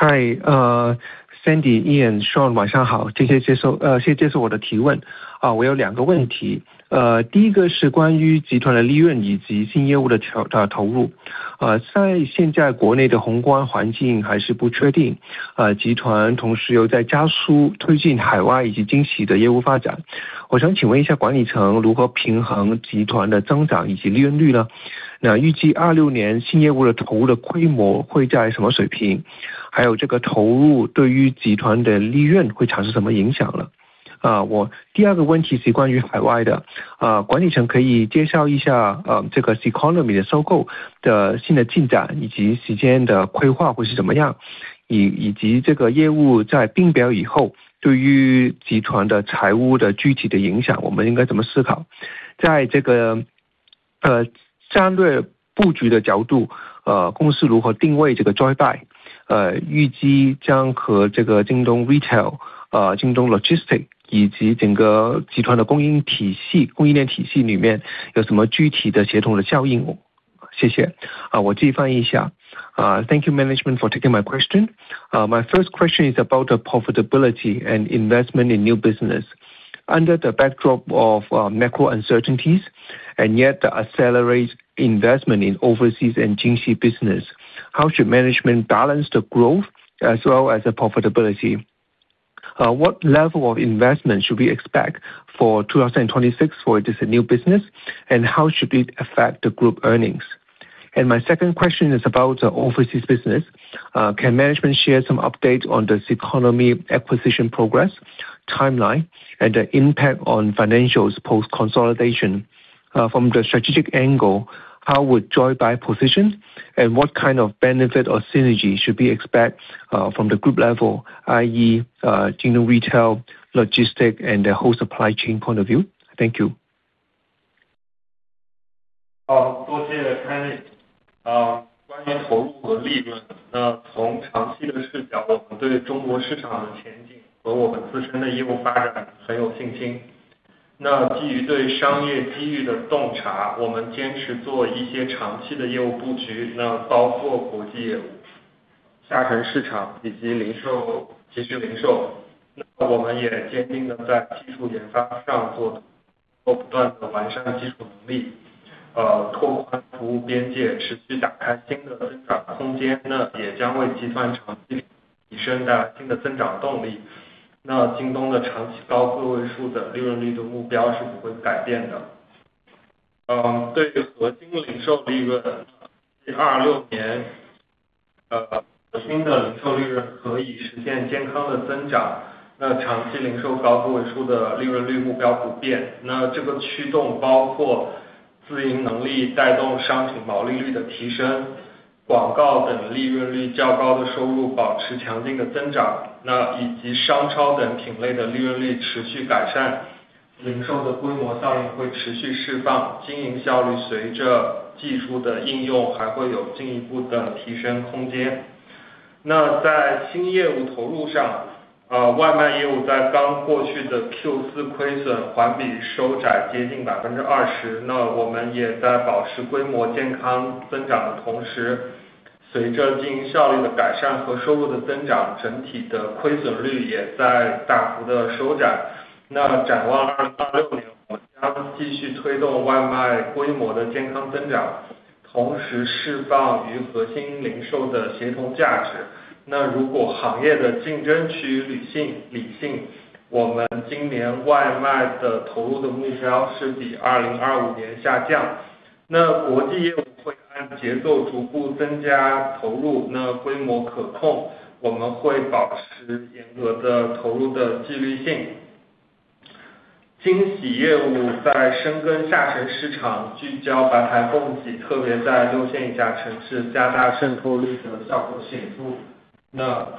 Hi, Sandy, Ian, Sean, 晚上 好, 谢谢接受我的提 问. 我有两个问 题, 第一个是关于集团的利润以及新业务的投 入. 在现在国内的宏观环境还是不确 定, 集团同时又在加速推进海外以及新业务发 展, 我想请问一下管理层如何平衡集团的增长以及利润率 呢? 预计2026年新业务的投入的规模会在什么水 平? 这个投入对于集团的利润会产生什么影响 呢? 我第二个问题是关于海外 的, 管理层可以介绍一下这个 CECONOMY 的收购的新的进 展, 以及时间的规划会是怎么 样, 以及这个业务在并表以 后, 对于集团的财务的具体的影 响, 我们应该怎么思 考? 在这个战略布局的角 度, 公司如何定位这个 Joybuy, 预计将和这个 JD Retail, JD Logistics 以及整个集团的供应体 系, 供应链体系里面有什么具体的协同的效 应? 谢 谢. Thank you management for taking my question. My first question is about the profitability and investment in new business. Under the backdrop of macro uncertainties and yet the accelerate investment in overseas and Jingxi business, how should management balance the growth as well as the profitability? What level of investment should we expect for 2026 for this new business? How should it affect the group earnings? My second question is about overseas business. Can management share some updates on the CECONOMY acquisition progress, timeline and the impact on financials post consolidation? From the strategic angle, how would Joybuy position and what kind of benefit or synergy should we expect from the group level, i.e. JD Retail, Logistics and the whole supply chain point of view? Thank you. 多谢 Kenneth. 关于投入和利 润， 从长期的视 角， 我们对中国市场的前景和我们自身的业务发展很有信心。基于对商业机遇的洞 察， 我们坚持做一些长期的业务布 局， 包括国际业务、下沉市场以及零 售， 极致零售。我们也坚定地在技术研发上 做， 不断地完善技术能 力， 拓宽服务边 界， 持续打开新的增长空 间， 也将为集团长期提升一个新的增长动力。京东的长期高位数的利润率的目标是不会改变的。对于核心零售利 润， 2026 年， 核心的零售利润可以实现健康的增 长， 长期零售高位数的利润率目标不 变， 这个驱动包括自营能力带动商品毛利率的提升，广告等利润率较高的收入保持强劲的增 长， 以及商超等品类的利润率持续改 善， 零售的规模效应会持续释 放， 经营效率随着技术的应用还会有进一步的提升空间。在新业务投入上，外卖业务在刚过去的 Q4 亏损环比收窄接近 20%， 我们也在保持规模健康增长的同 时， 随着经营效率的改善和收入的增 长， 整体的亏损率也在大幅的收窄。展望2026 年， 我们将继续推动外卖规模的健康增 长， 同时释放与核心零售的协同价值。如果行业的竞争趋于理 性， 我们今年外卖的投入的目标是比2025年下降。国际业务会按节奏逐步增加投 入， 规模可 控， 我们会保持严格的投入的纪律性。京喜业务在深耕下沉市 场， 聚焦白牌供 给， 特别在六线以下城市加大渗透率的效果显著，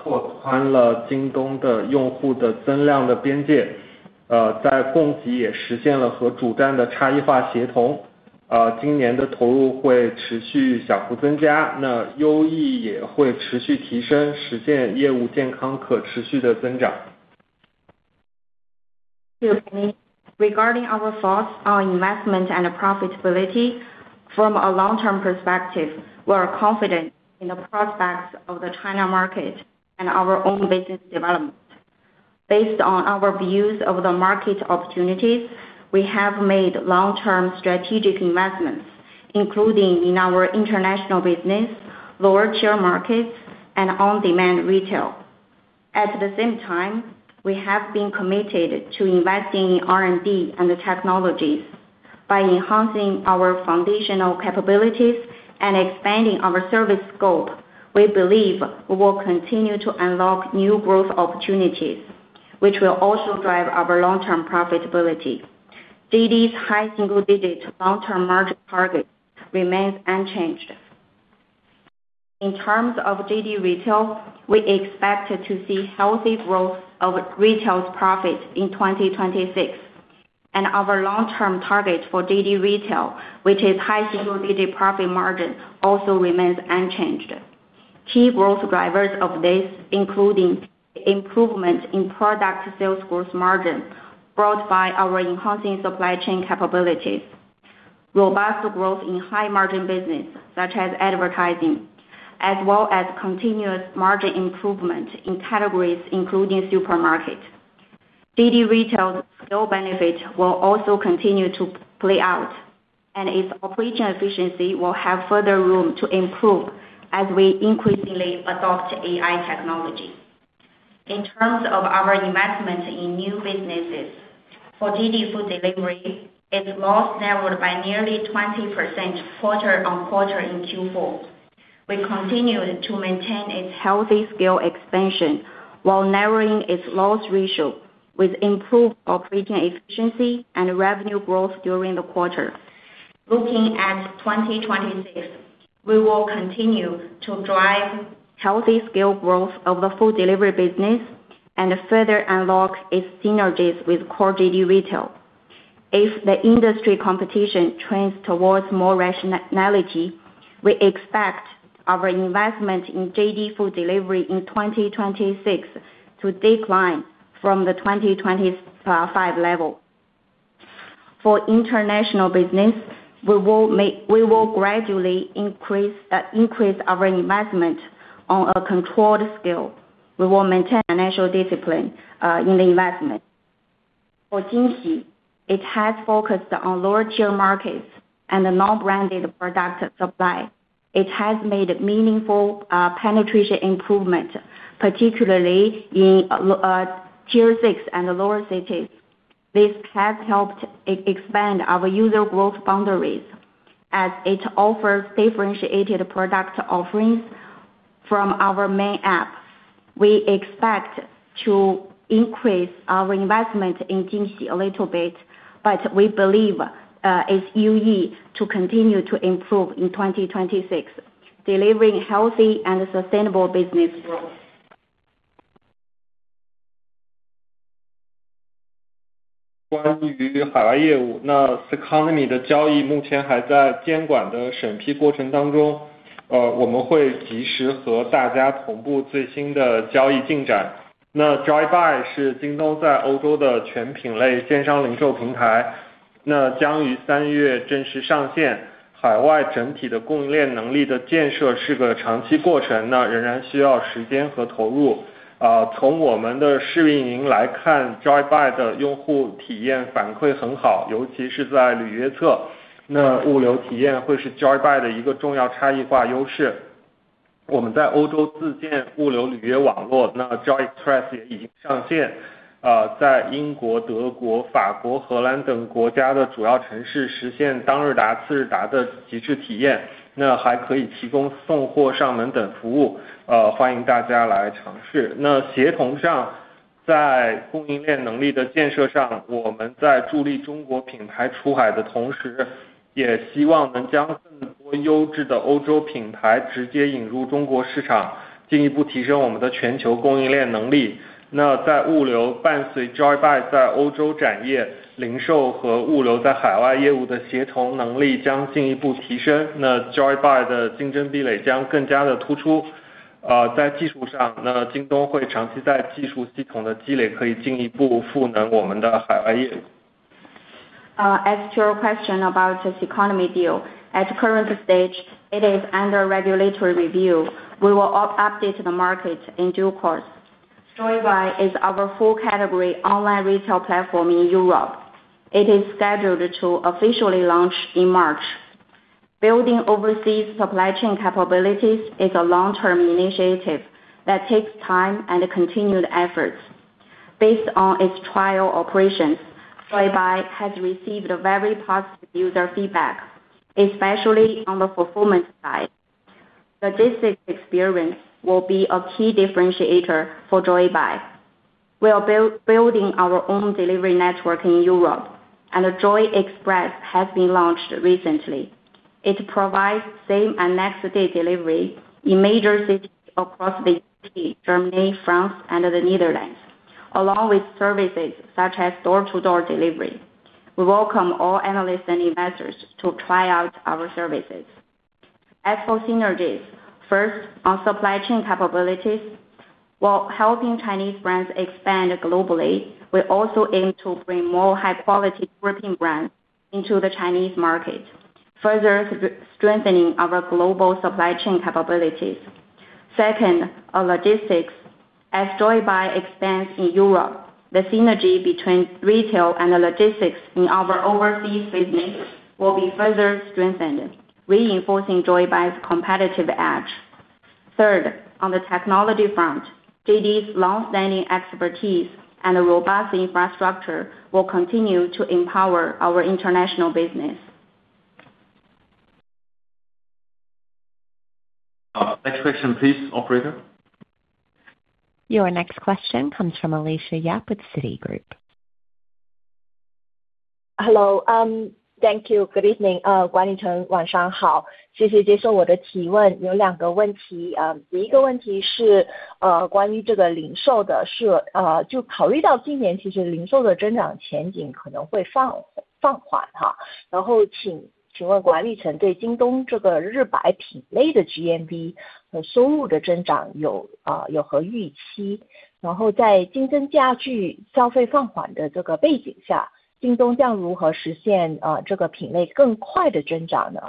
拓宽了京东的用户的增量的边 界， 在供给也实现了和主站的差异化协同。今年的投入会持续小幅增 加， 优益也会持续提 升， 实现业务健康可持续的增长。Regarding our thoughts on investment and profitability. From a long term perspective, we are confident in the prospects of the China market and our own business development. Based on our views of the market opportunities we have made long-term strategic investments, including in our international business, lower tier markets and on-demand retail. At the same time, we have been committed to investing in R&D and the technologies by enhancing our foundational capabilities and expanding our service scope. We believe we will continue to unlock new growth opportunities, which will also drive our long term profitability. JD's high single digits long term margin target remains unchanged. In terms of JD Retail, we expect to see healthy growth of retail profits in 2026 and our long term target for JD Retail, which is high single digit profit margin, also remains unchanged. Key growth drivers of this, including improvement in product sales gross margin brought by our enhancing supply chain capabilities. Robust growth in high-margin business such as advertising as well as continuous margin improvement in categories including supermarket. JD Retail's still benefit will also continue to play out, and its operating efficiency will have further room to improve as we increasingly adopt AI technology. In terms of our investment in new businesses for JD Food Delivery, its loss narrowed by nearly 20% quarter-on-quarter in Q4. We continue to maintain its healthy scale expansion while narrowing its loss ratio with improved operating efficiency and revenue growth during the quarter. Looking at 2026, we will continue to drive healthy scale growth of the food delivery business and further unlock its synergies with core JD Retail. If the industry competition trends towards more rationality, we expect our investment in JD Food Delivery in 2026 to decline from the 2025 level. For international business, we will gradually increase our investment on a controlled scale. We will maintain financial discipline in the investment. For Jingxi, it has focused on lower tier markets and non-branded product supply. It has made meaningful penetration improvement, particularly in Tier 6 and lower cities. This has helped expand our user growth boundaries as it offers differentiated product offerings from our main app. We expect to increase our investment in Jingxi a little bit, but we believe its UE to continue to improve in 2026, delivering healthy and sustainable business growth. 关于海外业 务， 那 CECONOMY 的交易目前还在监管的审批过程当 中， 呃， 我们会及时和大家同步最新的交易进展。那 Joybuy 是京东在欧洲的全品类电商零售平 台， 那将于三月正式上线。海外整体的供应链能力的建设是个长期过 程， 那仍然需要时间和投入。呃， 从我们的试运营来看 ，Joybuy 的用户体验反馈很 好， 尤其是在履约 侧， 那物流体验会是 Joybuy 的一个重要差异化优势。我们在欧洲自建物流履约网 络， 那 Joy Express 也已经上 线， 啊， 在英国、德国、法国、荷兰等国家的主要城市实现当日达、次日达的极致体 验， 那还可以提供送货上门等服 务， 呃， 欢迎大家来尝试。那协同 上， 在供应链能力的建设 上， 我们在助力中国品牌出海的同 时， 也希望能将更多优质的欧洲品牌直接引入中国市 场， 进一步提升我们的全球供应链能力。那在物流伴随 Joybuy 在欧洲产业、零售和物 流， 在海外业务的协同能力将进一步提 升， 那 Joybuy 的竞争壁垒将更加的突出。呃， 在技术 上， 那京东会长期在技术系统的积累可以进一步赋能我们的海外业务。As to your question about CECONOMY deal. At current stage, it is under regulatory review. We will update the market in due course. Joybuy is our full category online retail platform in Europe. It is scheduled to officially launch in March. Building overseas supply chain capabilities is a long term initiative that takes time and continued efforts. Based on its trial operations, Joybuy has received a very positive user feedback, especially on the performance side. Logistics experience will be a key differentiator for Joybuy. We are building our own delivery network in Europe. JoyExpress has been launched recently. It provides same and next day delivery in major cities across the U.K., Germany, France and the Netherlands, along with services such as door-to-door delivery. We welcome all analysts and investors to try out our services. As for synergies. First, on supply chain capabilities, while helping Chinese brands expand globally, we also aim to bring more high quality European brands into the Chinese market, further strengthening our global supply chain capabilities. Second, on logistics. As Joybuy expands in Europe, the synergy between retail and the logistics in our overseas business will be further strengthened, reinforcing Joybuy's competitive edge. Third, on the technology front, JD's long-standing expertise and a robust infrastructure will continue to empower our international business. Next question please, operator. Your next question comes from Alicia Yap with Citigroup. Hello. Thank you. Good evening. 谢谢接受我的提问。有两个问题。第一个问题是关于这个零售 的， 就考虑到今年其实零售的增长前景可能会放缓哈。请问管理层对京东这个日百品类的 GMV 和收入的增长有何预 期？ 在竞争加剧消费放缓的这个背景下，京东将如何实现这个品类更快的增长 呢？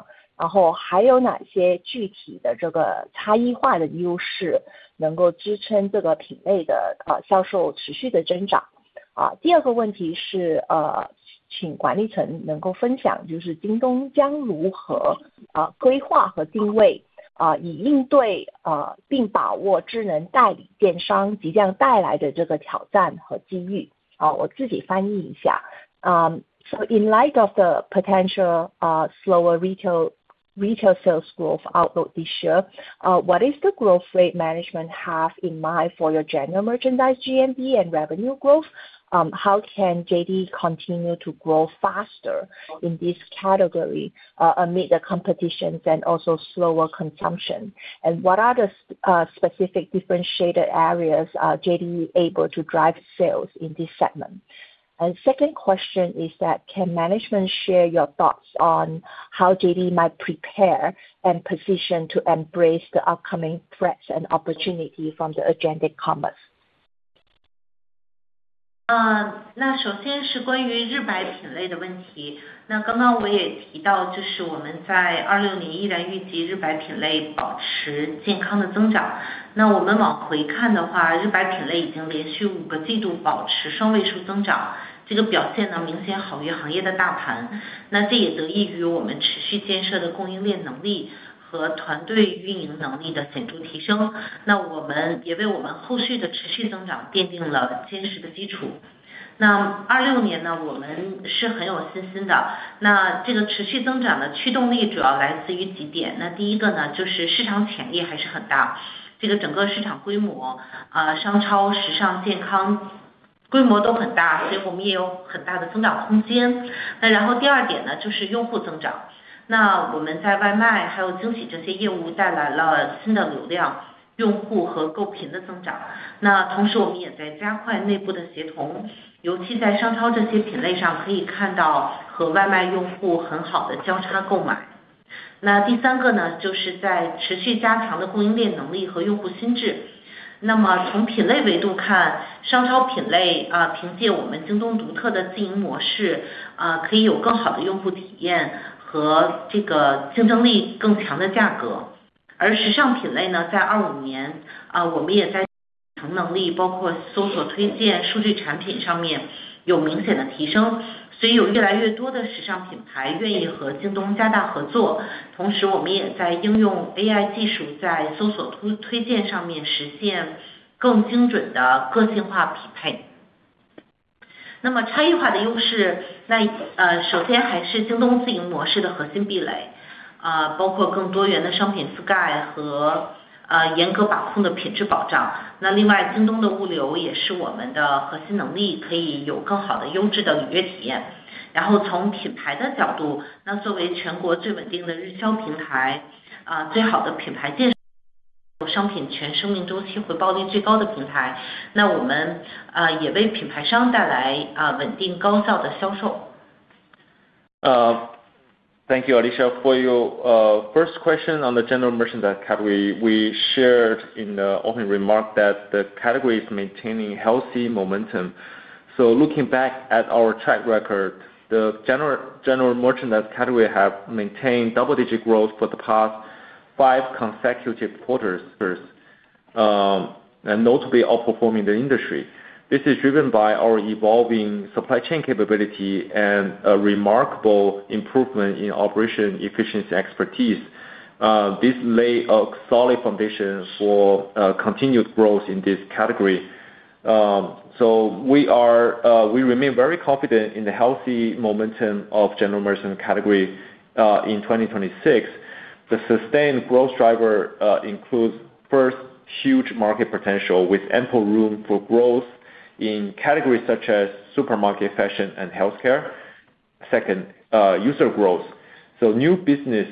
还有哪些具体的这个差异化的优势能够支撑这个品类的销售持续的增 长？ 第二个问题 是， 请管理层能够分 享， 就是京东将如何规划和定 位， 以应对并把握智能代理电商即将带来的这个挑战和机遇。我自己翻译一下。In light of the potential slower retail sales growth outlook this year, what is the growth rate management have in mind for your general merchandise GMV and revenue growth? How can JD continue to grow faster in this category, amid the competitions and also slower consumption? What are the specific differentiated areas are JD able to drive sales in this segment? Second question is that can management share your thoughts on how JD might prepare and position to embrace the upcoming threats and opportunity from the agented commerce? 呃， 那首先是关于日百品类的问题。那刚刚我也提 到， 就是我们在二六年依然预计日百品类保持健康的增长。那我们往回看的 话， 日百品类已经连续五个季度保持双位数增 长， 这个表现呢明显好于行业的大 盘， 那这也得益于我们持续建设的供应链能力和团队运营能力的显著提 升， 那我们也为我们后续的持续增长奠定了坚实的基础。那二六年 呢， 我们是很有信心的。那这个持续增长的驱动力主要来自于几点。那第一个 呢， 就是市场潜力还是很 大， 这个整个市场规 模， 啊， 商超、时尚健康规模都很 大， 所以我们也有很大的增长空间。那然后第二点 呢， 就是用户增长，那我们在外卖还有惊喜这些业务带来了新的流量、用户和购频的增长。那同时我们也在加快内部的协 同， 尤其在商超这些品类 上， 可以看到和外卖用户很好的交叉购买。那第三个 呢， 就是在持续加强的供应链能力和用户心智。那么从品类维度 看， 商超品 类， 呃， 凭借我们京东独特的经营模 式， 呃， 可以有更好的用户体验和这个竞争力更强的价格。而时尚品类 呢， 在二五 年， 啊我们也在能 力， 包括搜索、推荐、数据产品上面有明显的提 升， 所以有越来越多的时尚品牌愿意和京东加大合作。同时我们也在应用 AI 技 术， 在搜索 推， 推荐上面实现更精准的个性化匹配。那么差异化的优 势， 那， 呃， 首先还是京东自营模式的核心壁 垒， 呃， 包括更多元的商品 SKU 和， 呃， 严格把控的品质保障。那另外京东的物流也是我们的核心能 力， 可以有更好的优质的履约体验。然后从品牌的角 度， 那作为全国最稳定的日销平 台， 啊， 最好的品牌建设，商品全生命周期回报率最高的平 台， 那我 们， 呃， 也为品牌商带 来， 呃， 稳定高效的销售。Thank you, Alicia, for your first question on the general merchandise category. We shared in the opening remark that the category is maintaining healthy momentum. Looking back at our track record, the general merchandise category have maintained double-digit growth for the past five consecutive quarters first, and notably outperforming the industry. This is driven by our evolving supply chain capability and a remarkable improvement in operation efficiency expertise. This lay a solid foundation for continued growth in this category. We remain very confident in the healthy momentum of general merchant category in 2026. The sustained growth driver includes: First, huge market potential with ample room for growth in categories such as supermarket, fashion and healthcare. Second, user growth. New business,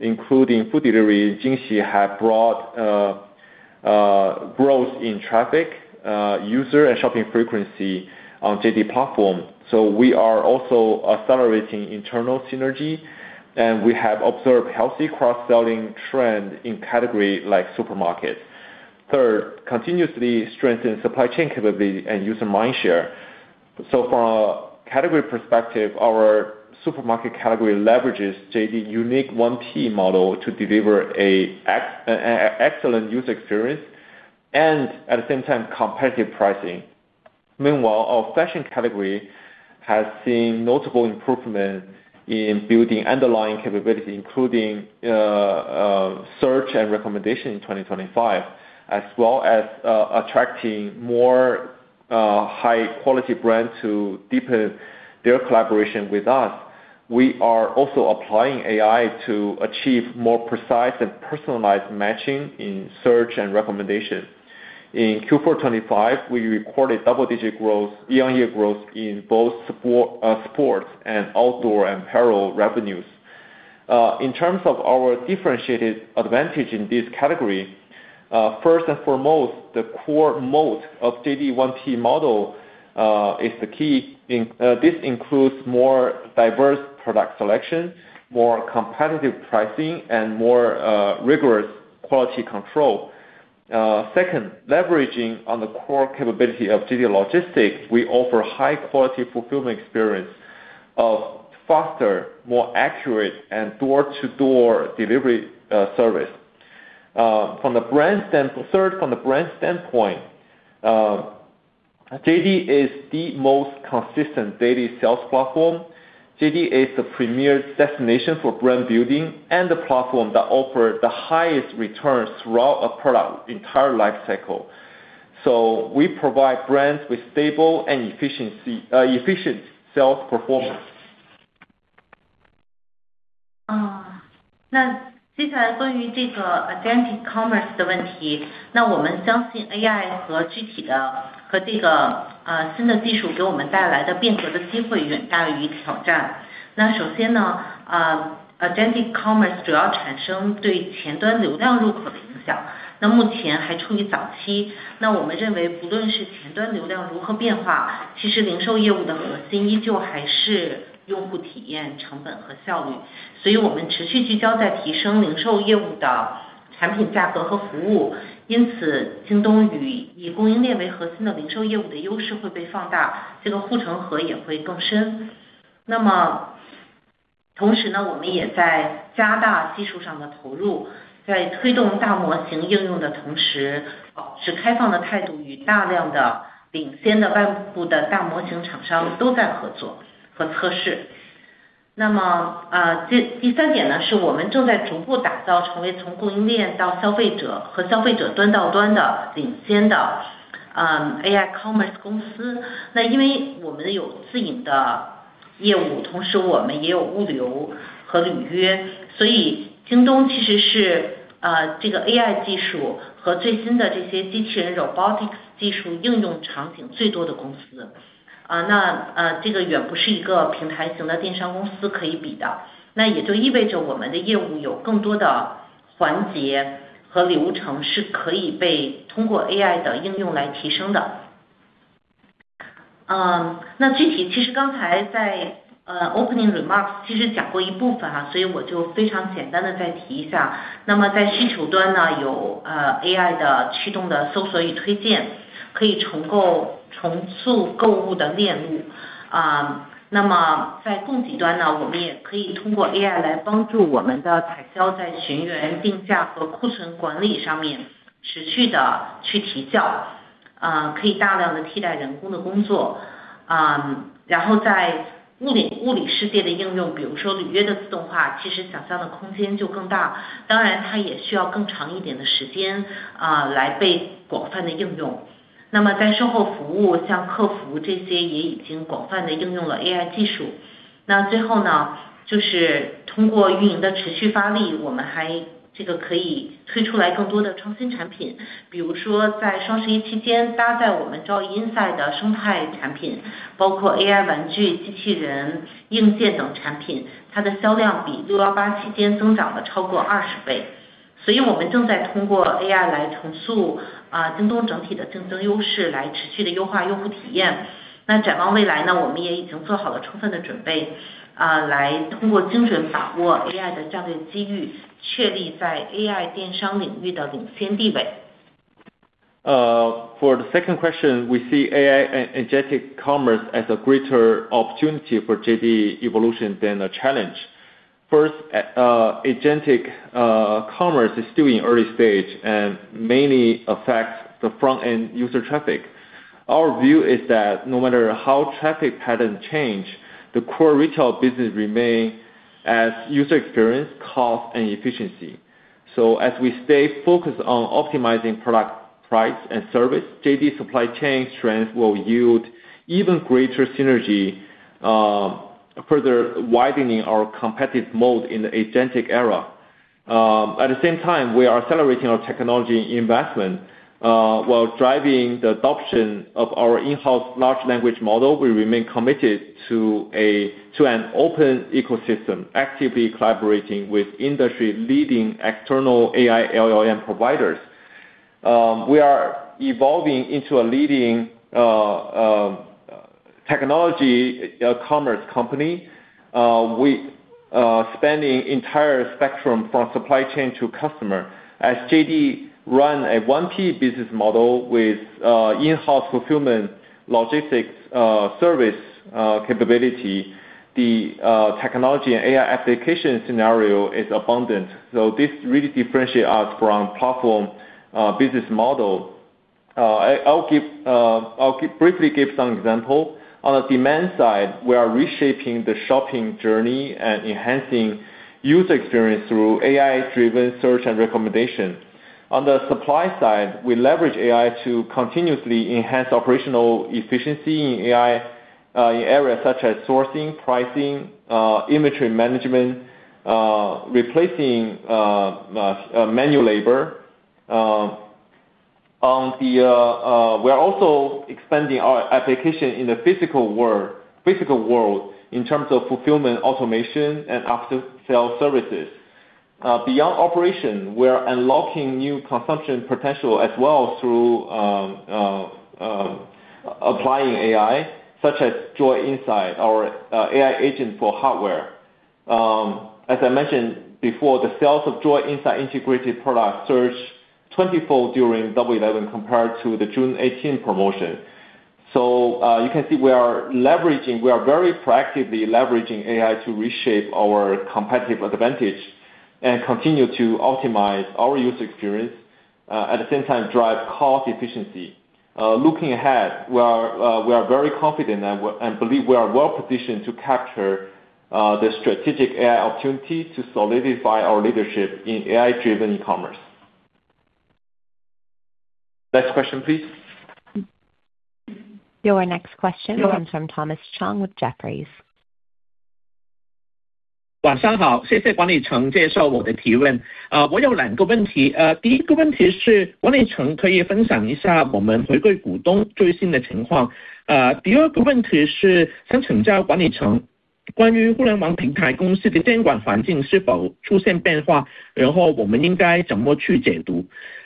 including food delivery, Jingxi, have brought growth in traffic, user, and shopping frequency on JD platform. We are also accelerating internal synergy, and we have observed healthy cross-selling trend in categories like supermarket. Third, continuously strengthen supply chain capability and user mindshare. From a category perspective, our supermarket category leverages JD unique 1P model to deliver a excellent user experience and at the same time competitive pricing. Meanwhile, our fashion category has seen notable improvement in building underlying capability, including search and recommendation in 2025, as well as attracting more high quality brands to deepen their collaboration with us. We are also applying AI to achieve more precise and personalized matching in search and recommendation. In Q4 2025, we recorded double-digit growth, year-on-year growth in both sports and outdoor apparel revenues. In terms of our differentiated advantage in this category, first and foremost, the core mode of JD 1P model, this includes more diverse product selection, more competitive pricing, and more rigorous quality control. Second, leveraging on the core capability of JD Logistics, we offer high quality fulfillment experience of faster, more accurate, and door-to-door delivery service. Third, from the brand standpoint, JD is the most consistent daily sales platform. JD is the premier destination for brand building and the platform that offers the highest returns throughout a product entire lifecycle. We provide brands with stable and efficient sales performance. 啊， 那接下来关于这个 agentic commerce 的问 题， 那我们相信 AI 和具体的和这 个， 呃， 新的技术给我们带来的变革的机会远大于挑战。那首先 呢， 呃 ，agentic commerce 主要产生对前端流量入口的影 响， 那目前还处于早 期， 那我们认为不论是前端流量如何变 化， 其实零售业务的核心依旧还是用户体验、成本和效率。所以我们持续聚焦在提升零售业务的产品价格和服务。因 此， 京东与以供应链为核心的零售业务的优势会被放 大， 这个护城河也会更深。那么同时 呢， 我们也在加大技术上的投 入， 在推动大模型应用的同 时， 保持开放的态 度， 与大量的领先的外部的大模型厂商都在合作和测试。那 么， 呃， 第-第三点 呢， 是我们正在逐步打造成为从供应链到消费者和消费者端到端的领先 的， 呃 ，AI commerce 公司。那因为我们有自营的业 务， 同时我们也有物流和履 约， 所以京东其实 是， 呃， 这个 AI 技术和最新的这些机器人 robotics 技术应用场景最多的公司。呃， 那， 呃， 这个远不是一个平台型的电商公司可以比 的， 那也就意味着我们的业务有更多的环节和流程是可以被通过 AI 的应用来提升的。呃， 那具体其实刚才 在， 呃 ，opening remarks 其实讲过一部分 啊， 所以我就非常简单地再提一下。那么在需求端 呢， 有， 呃 ，AI 的驱动的搜索与推 荐， 可以重构重塑购物的链路。呃， 那么在供给端 呢， 我们也可以通过 AI 来帮助我们的采购在寻源、定价和库存管理上面持续地去提 效， 呃， 可以大量地替代人工的工作。呃， 然后在物 理， 物理世界的应 用， 比如说履约的自动 化， 其实想象的空间就更大。当然它也需要更长一点的时 间， 呃， 来被广泛地应用。那么在售后服务像客服这些也已经广泛地应用了 AI 技术。那最后 呢， 就是通过运营的持续发 力， 我们 还， 这个可以推出来更多的创新产 品， 比如说在双十一期间搭载我们 JoyInside 的生态产 品， 包括 AI 玩具、机器人、硬件等产 品， 它的销量比六一八期间增长了超过二十倍。所以我们正在通过 AI 来重 塑， 呃， 京东整体的竞争优 势， 来持续地优化用户体验。那展望未来 呢， 我们也已经做好了充分的准 备， 呃， 来通过精准把握 AI 的战略机 遇， 确立在 AI 电商领域的领先地位。For the second question, we see AI agentic commerce as a greater opportunity for JD evolution than a challenge. First, agentic commerce is still in early stage and mainly affects the front-end user traffic. Our view is that no matter how traffic patterns change, the core retail business remain as user experience, cost, and efficiency. As we stay focused on optimizing product price and service, JD's supply chain strength will yield even greater synergy, further widening our competitive moat in the agentic era. At the same time, we are accelerating our technology investment, while driving the adoption of our in-house large language model. We remain committed to an open ecosystem, actively collaborating with industry-leading external AI LLM providers. We are evolving into a leading technology commerce company. Spending entire spectrum from supply chain to customer. As JD run a one key business model with in-house fulfillment logistics service capability, the technology and AI application scenario is abundant. This really differentiate us from platform business model. I'll briefly give some example. On a demand side, we are reshaping the shopping journey and enhancing user experience through AI-driven search and recommendation. On the supply side, we leverage AI to continuously enhance operational efficiency in AI in areas such as sourcing, pricing, inventory management, replacing manual labor. We are also expanding our application in the physical world in terms of fulfillment, automation, and after-sale services. Beyond operation, we are unlocking new consumption potential as well through applying AI such as JoyInside, our AI agent for hardware. As I mentioned before, the sales of JoyInside integrated product surged 20-fold during Double 11 compared to the June 18th promotion. You can see we are very proactively leveraging AI to reshape our competitive advantage and continue to optimize our user experience, at the same time drive cost efficiency. Looking ahead, we are very confident and believe we are well-positioned to capture the strategic AI opportunity to solidify our leadership in AI-driven e-commerce. Next question, please. Your next question comes from Thomas Chong with Jefferies.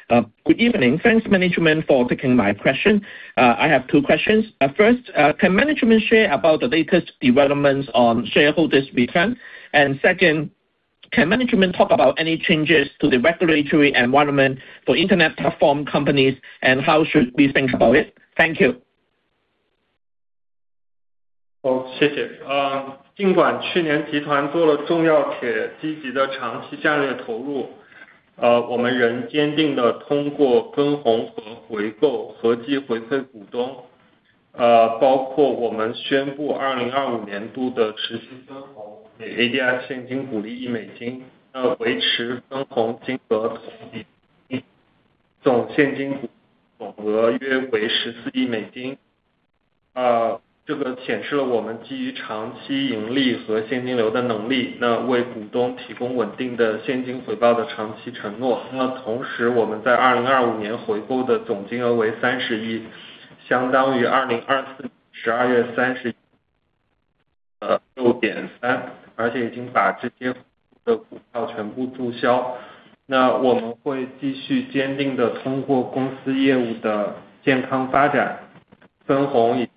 Good evening. Thanks, management, for taking my question. I have two questions. First, can management share about the latest developments on shareholders return? Second, can management talk about any changes to the regulatory environment for internet platform companies, and how should we think about it? Thank you. Thank you, Thomas.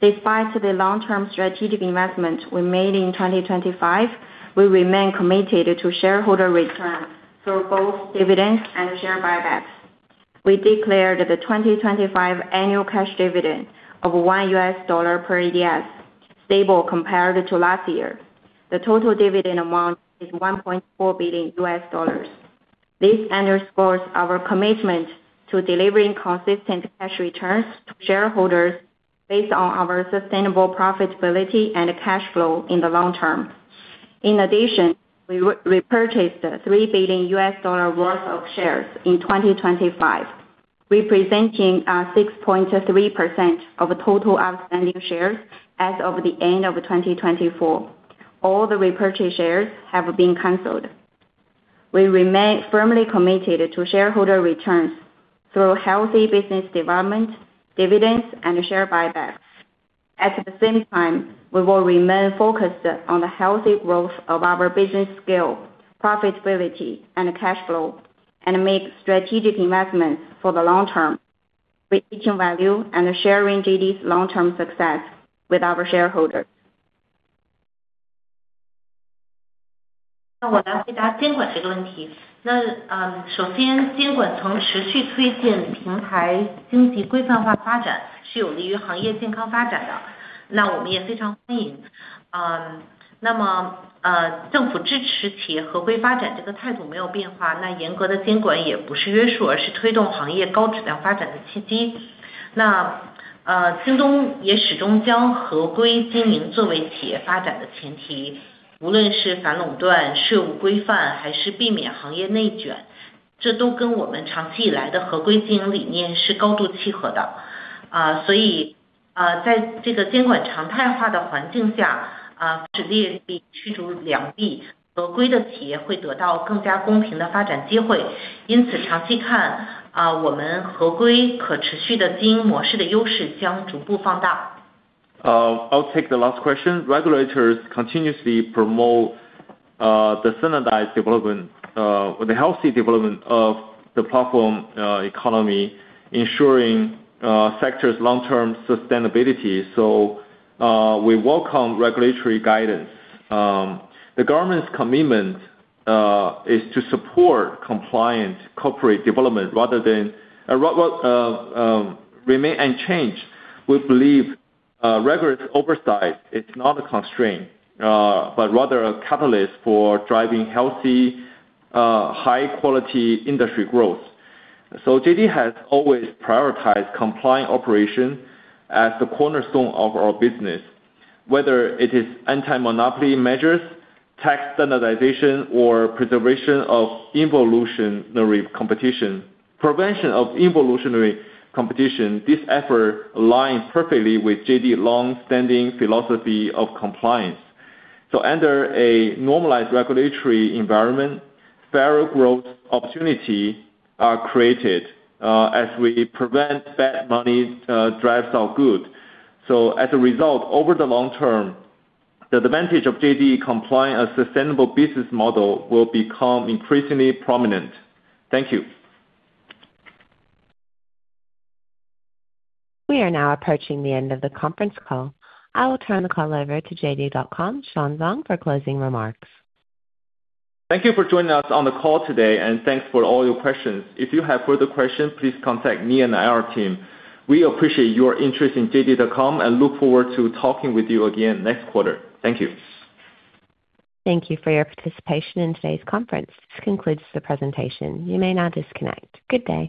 Despite the long-term strategic investment we made in 2025, we remain committed to shareholder returns through both dividends and share buybacks. We declared the 2025 annual cash dividend of $1 per ADS, stable compared to last year. The total dividend amount is $1.4 billion. This underscores our commitment to delivering consistent cash returns to shareholders based on our sustainable profitability and cash flow in the long term. In addition, we re-repurchased $3 billion worth of shares in 2025, representing 6.3% of total outstanding shares as of the end of 2024. All the repurchased shares have been canceled. We remain firmly committed to shareholder returns through healthy business development, dividends, and share buybacks. At the same time, we will remain focused on the healthy growth of our business scale, profitability, and cash flow, and make strategic investments for the long term, creating value and sharing JD's long-term success with our shareholders. 我来回答监管这个问题。首先监管层持续推进平台经济规范化发 展， 是有利于行业健康发展 的， 那我们也非常欢迎。政府支持企业合规发展这个态度没有变 化， 那严格的监管也不是约 束， 而是推动行业高质量发展的契机。京东也始终将合规经营作为企业发展的前 提， 无论是反垄断、税务规 范， 还是避免行业内 卷， 这都跟我们长期以来的合规经营理念是高度契合的。在这个监管常态化的环境 下， 是劣币驱逐良 币， 合规的企业会得到更加公平的发展机会。长期 看， 我们合规可持续的经营模式的优势将逐步放大。I'll take the last question. Regulators continuously promote the standardized development, the healthy development of the platform economy ensuring sector's long-term sustainability. We welcome regulatory guidance. The government's commitment is to support compliant corporate development rather than a remain unchanged. We believe rigorous oversight is not a constraint, but rather a catalyst for driving healthy, high-quality industry growth. JD has always prioritized compliant operation as the cornerstone of our business, whether it is anti-monopoly measures, tax standardization, or prevention of evolutionary competition. This effort aligns perfectly with JD's long-standing philosophy of compliance. Under a normalized regulatory environment, fair growth opportunity are created as we prevent bad money drives out good. As a result, over the long term, the advantage of JD complying a sustainable business model will become increasingly prominent. Thank you. We are now approaching the end of the conference call. I will turn the call over to JD.com Sean Zhang for closing remarks. Thank you for joining us on the call today and thanks for all your questions. If you have further questions, please contact me and our team. We appreciate your interest in JD.com and look forward to talking with you again next quarter. Thank you. Thank you for your participation in today's conference. This concludes the presentation. You may now disconnect. Good day.